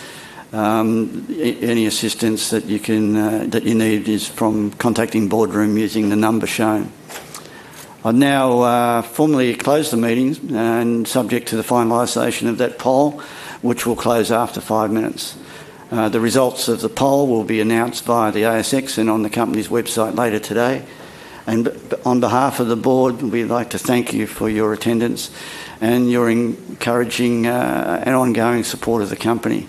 any assistance that you need is from contacting Boardroom using the number shown. I'll now formally close the meeting, and subject to the finalization of that poll, which will close after five minutes. The results of the poll will be announced via the ASX and on the company's website later today. And on behalf of the board, we'd like to thank you for your attendance and your encouraging and ongoing support of the company.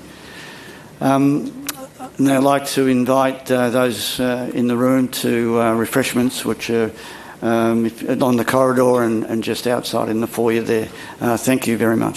Now, I'd like to invite those in the room to refreshments, which are on the corridor and just outside in the foyer there. Thank you very much.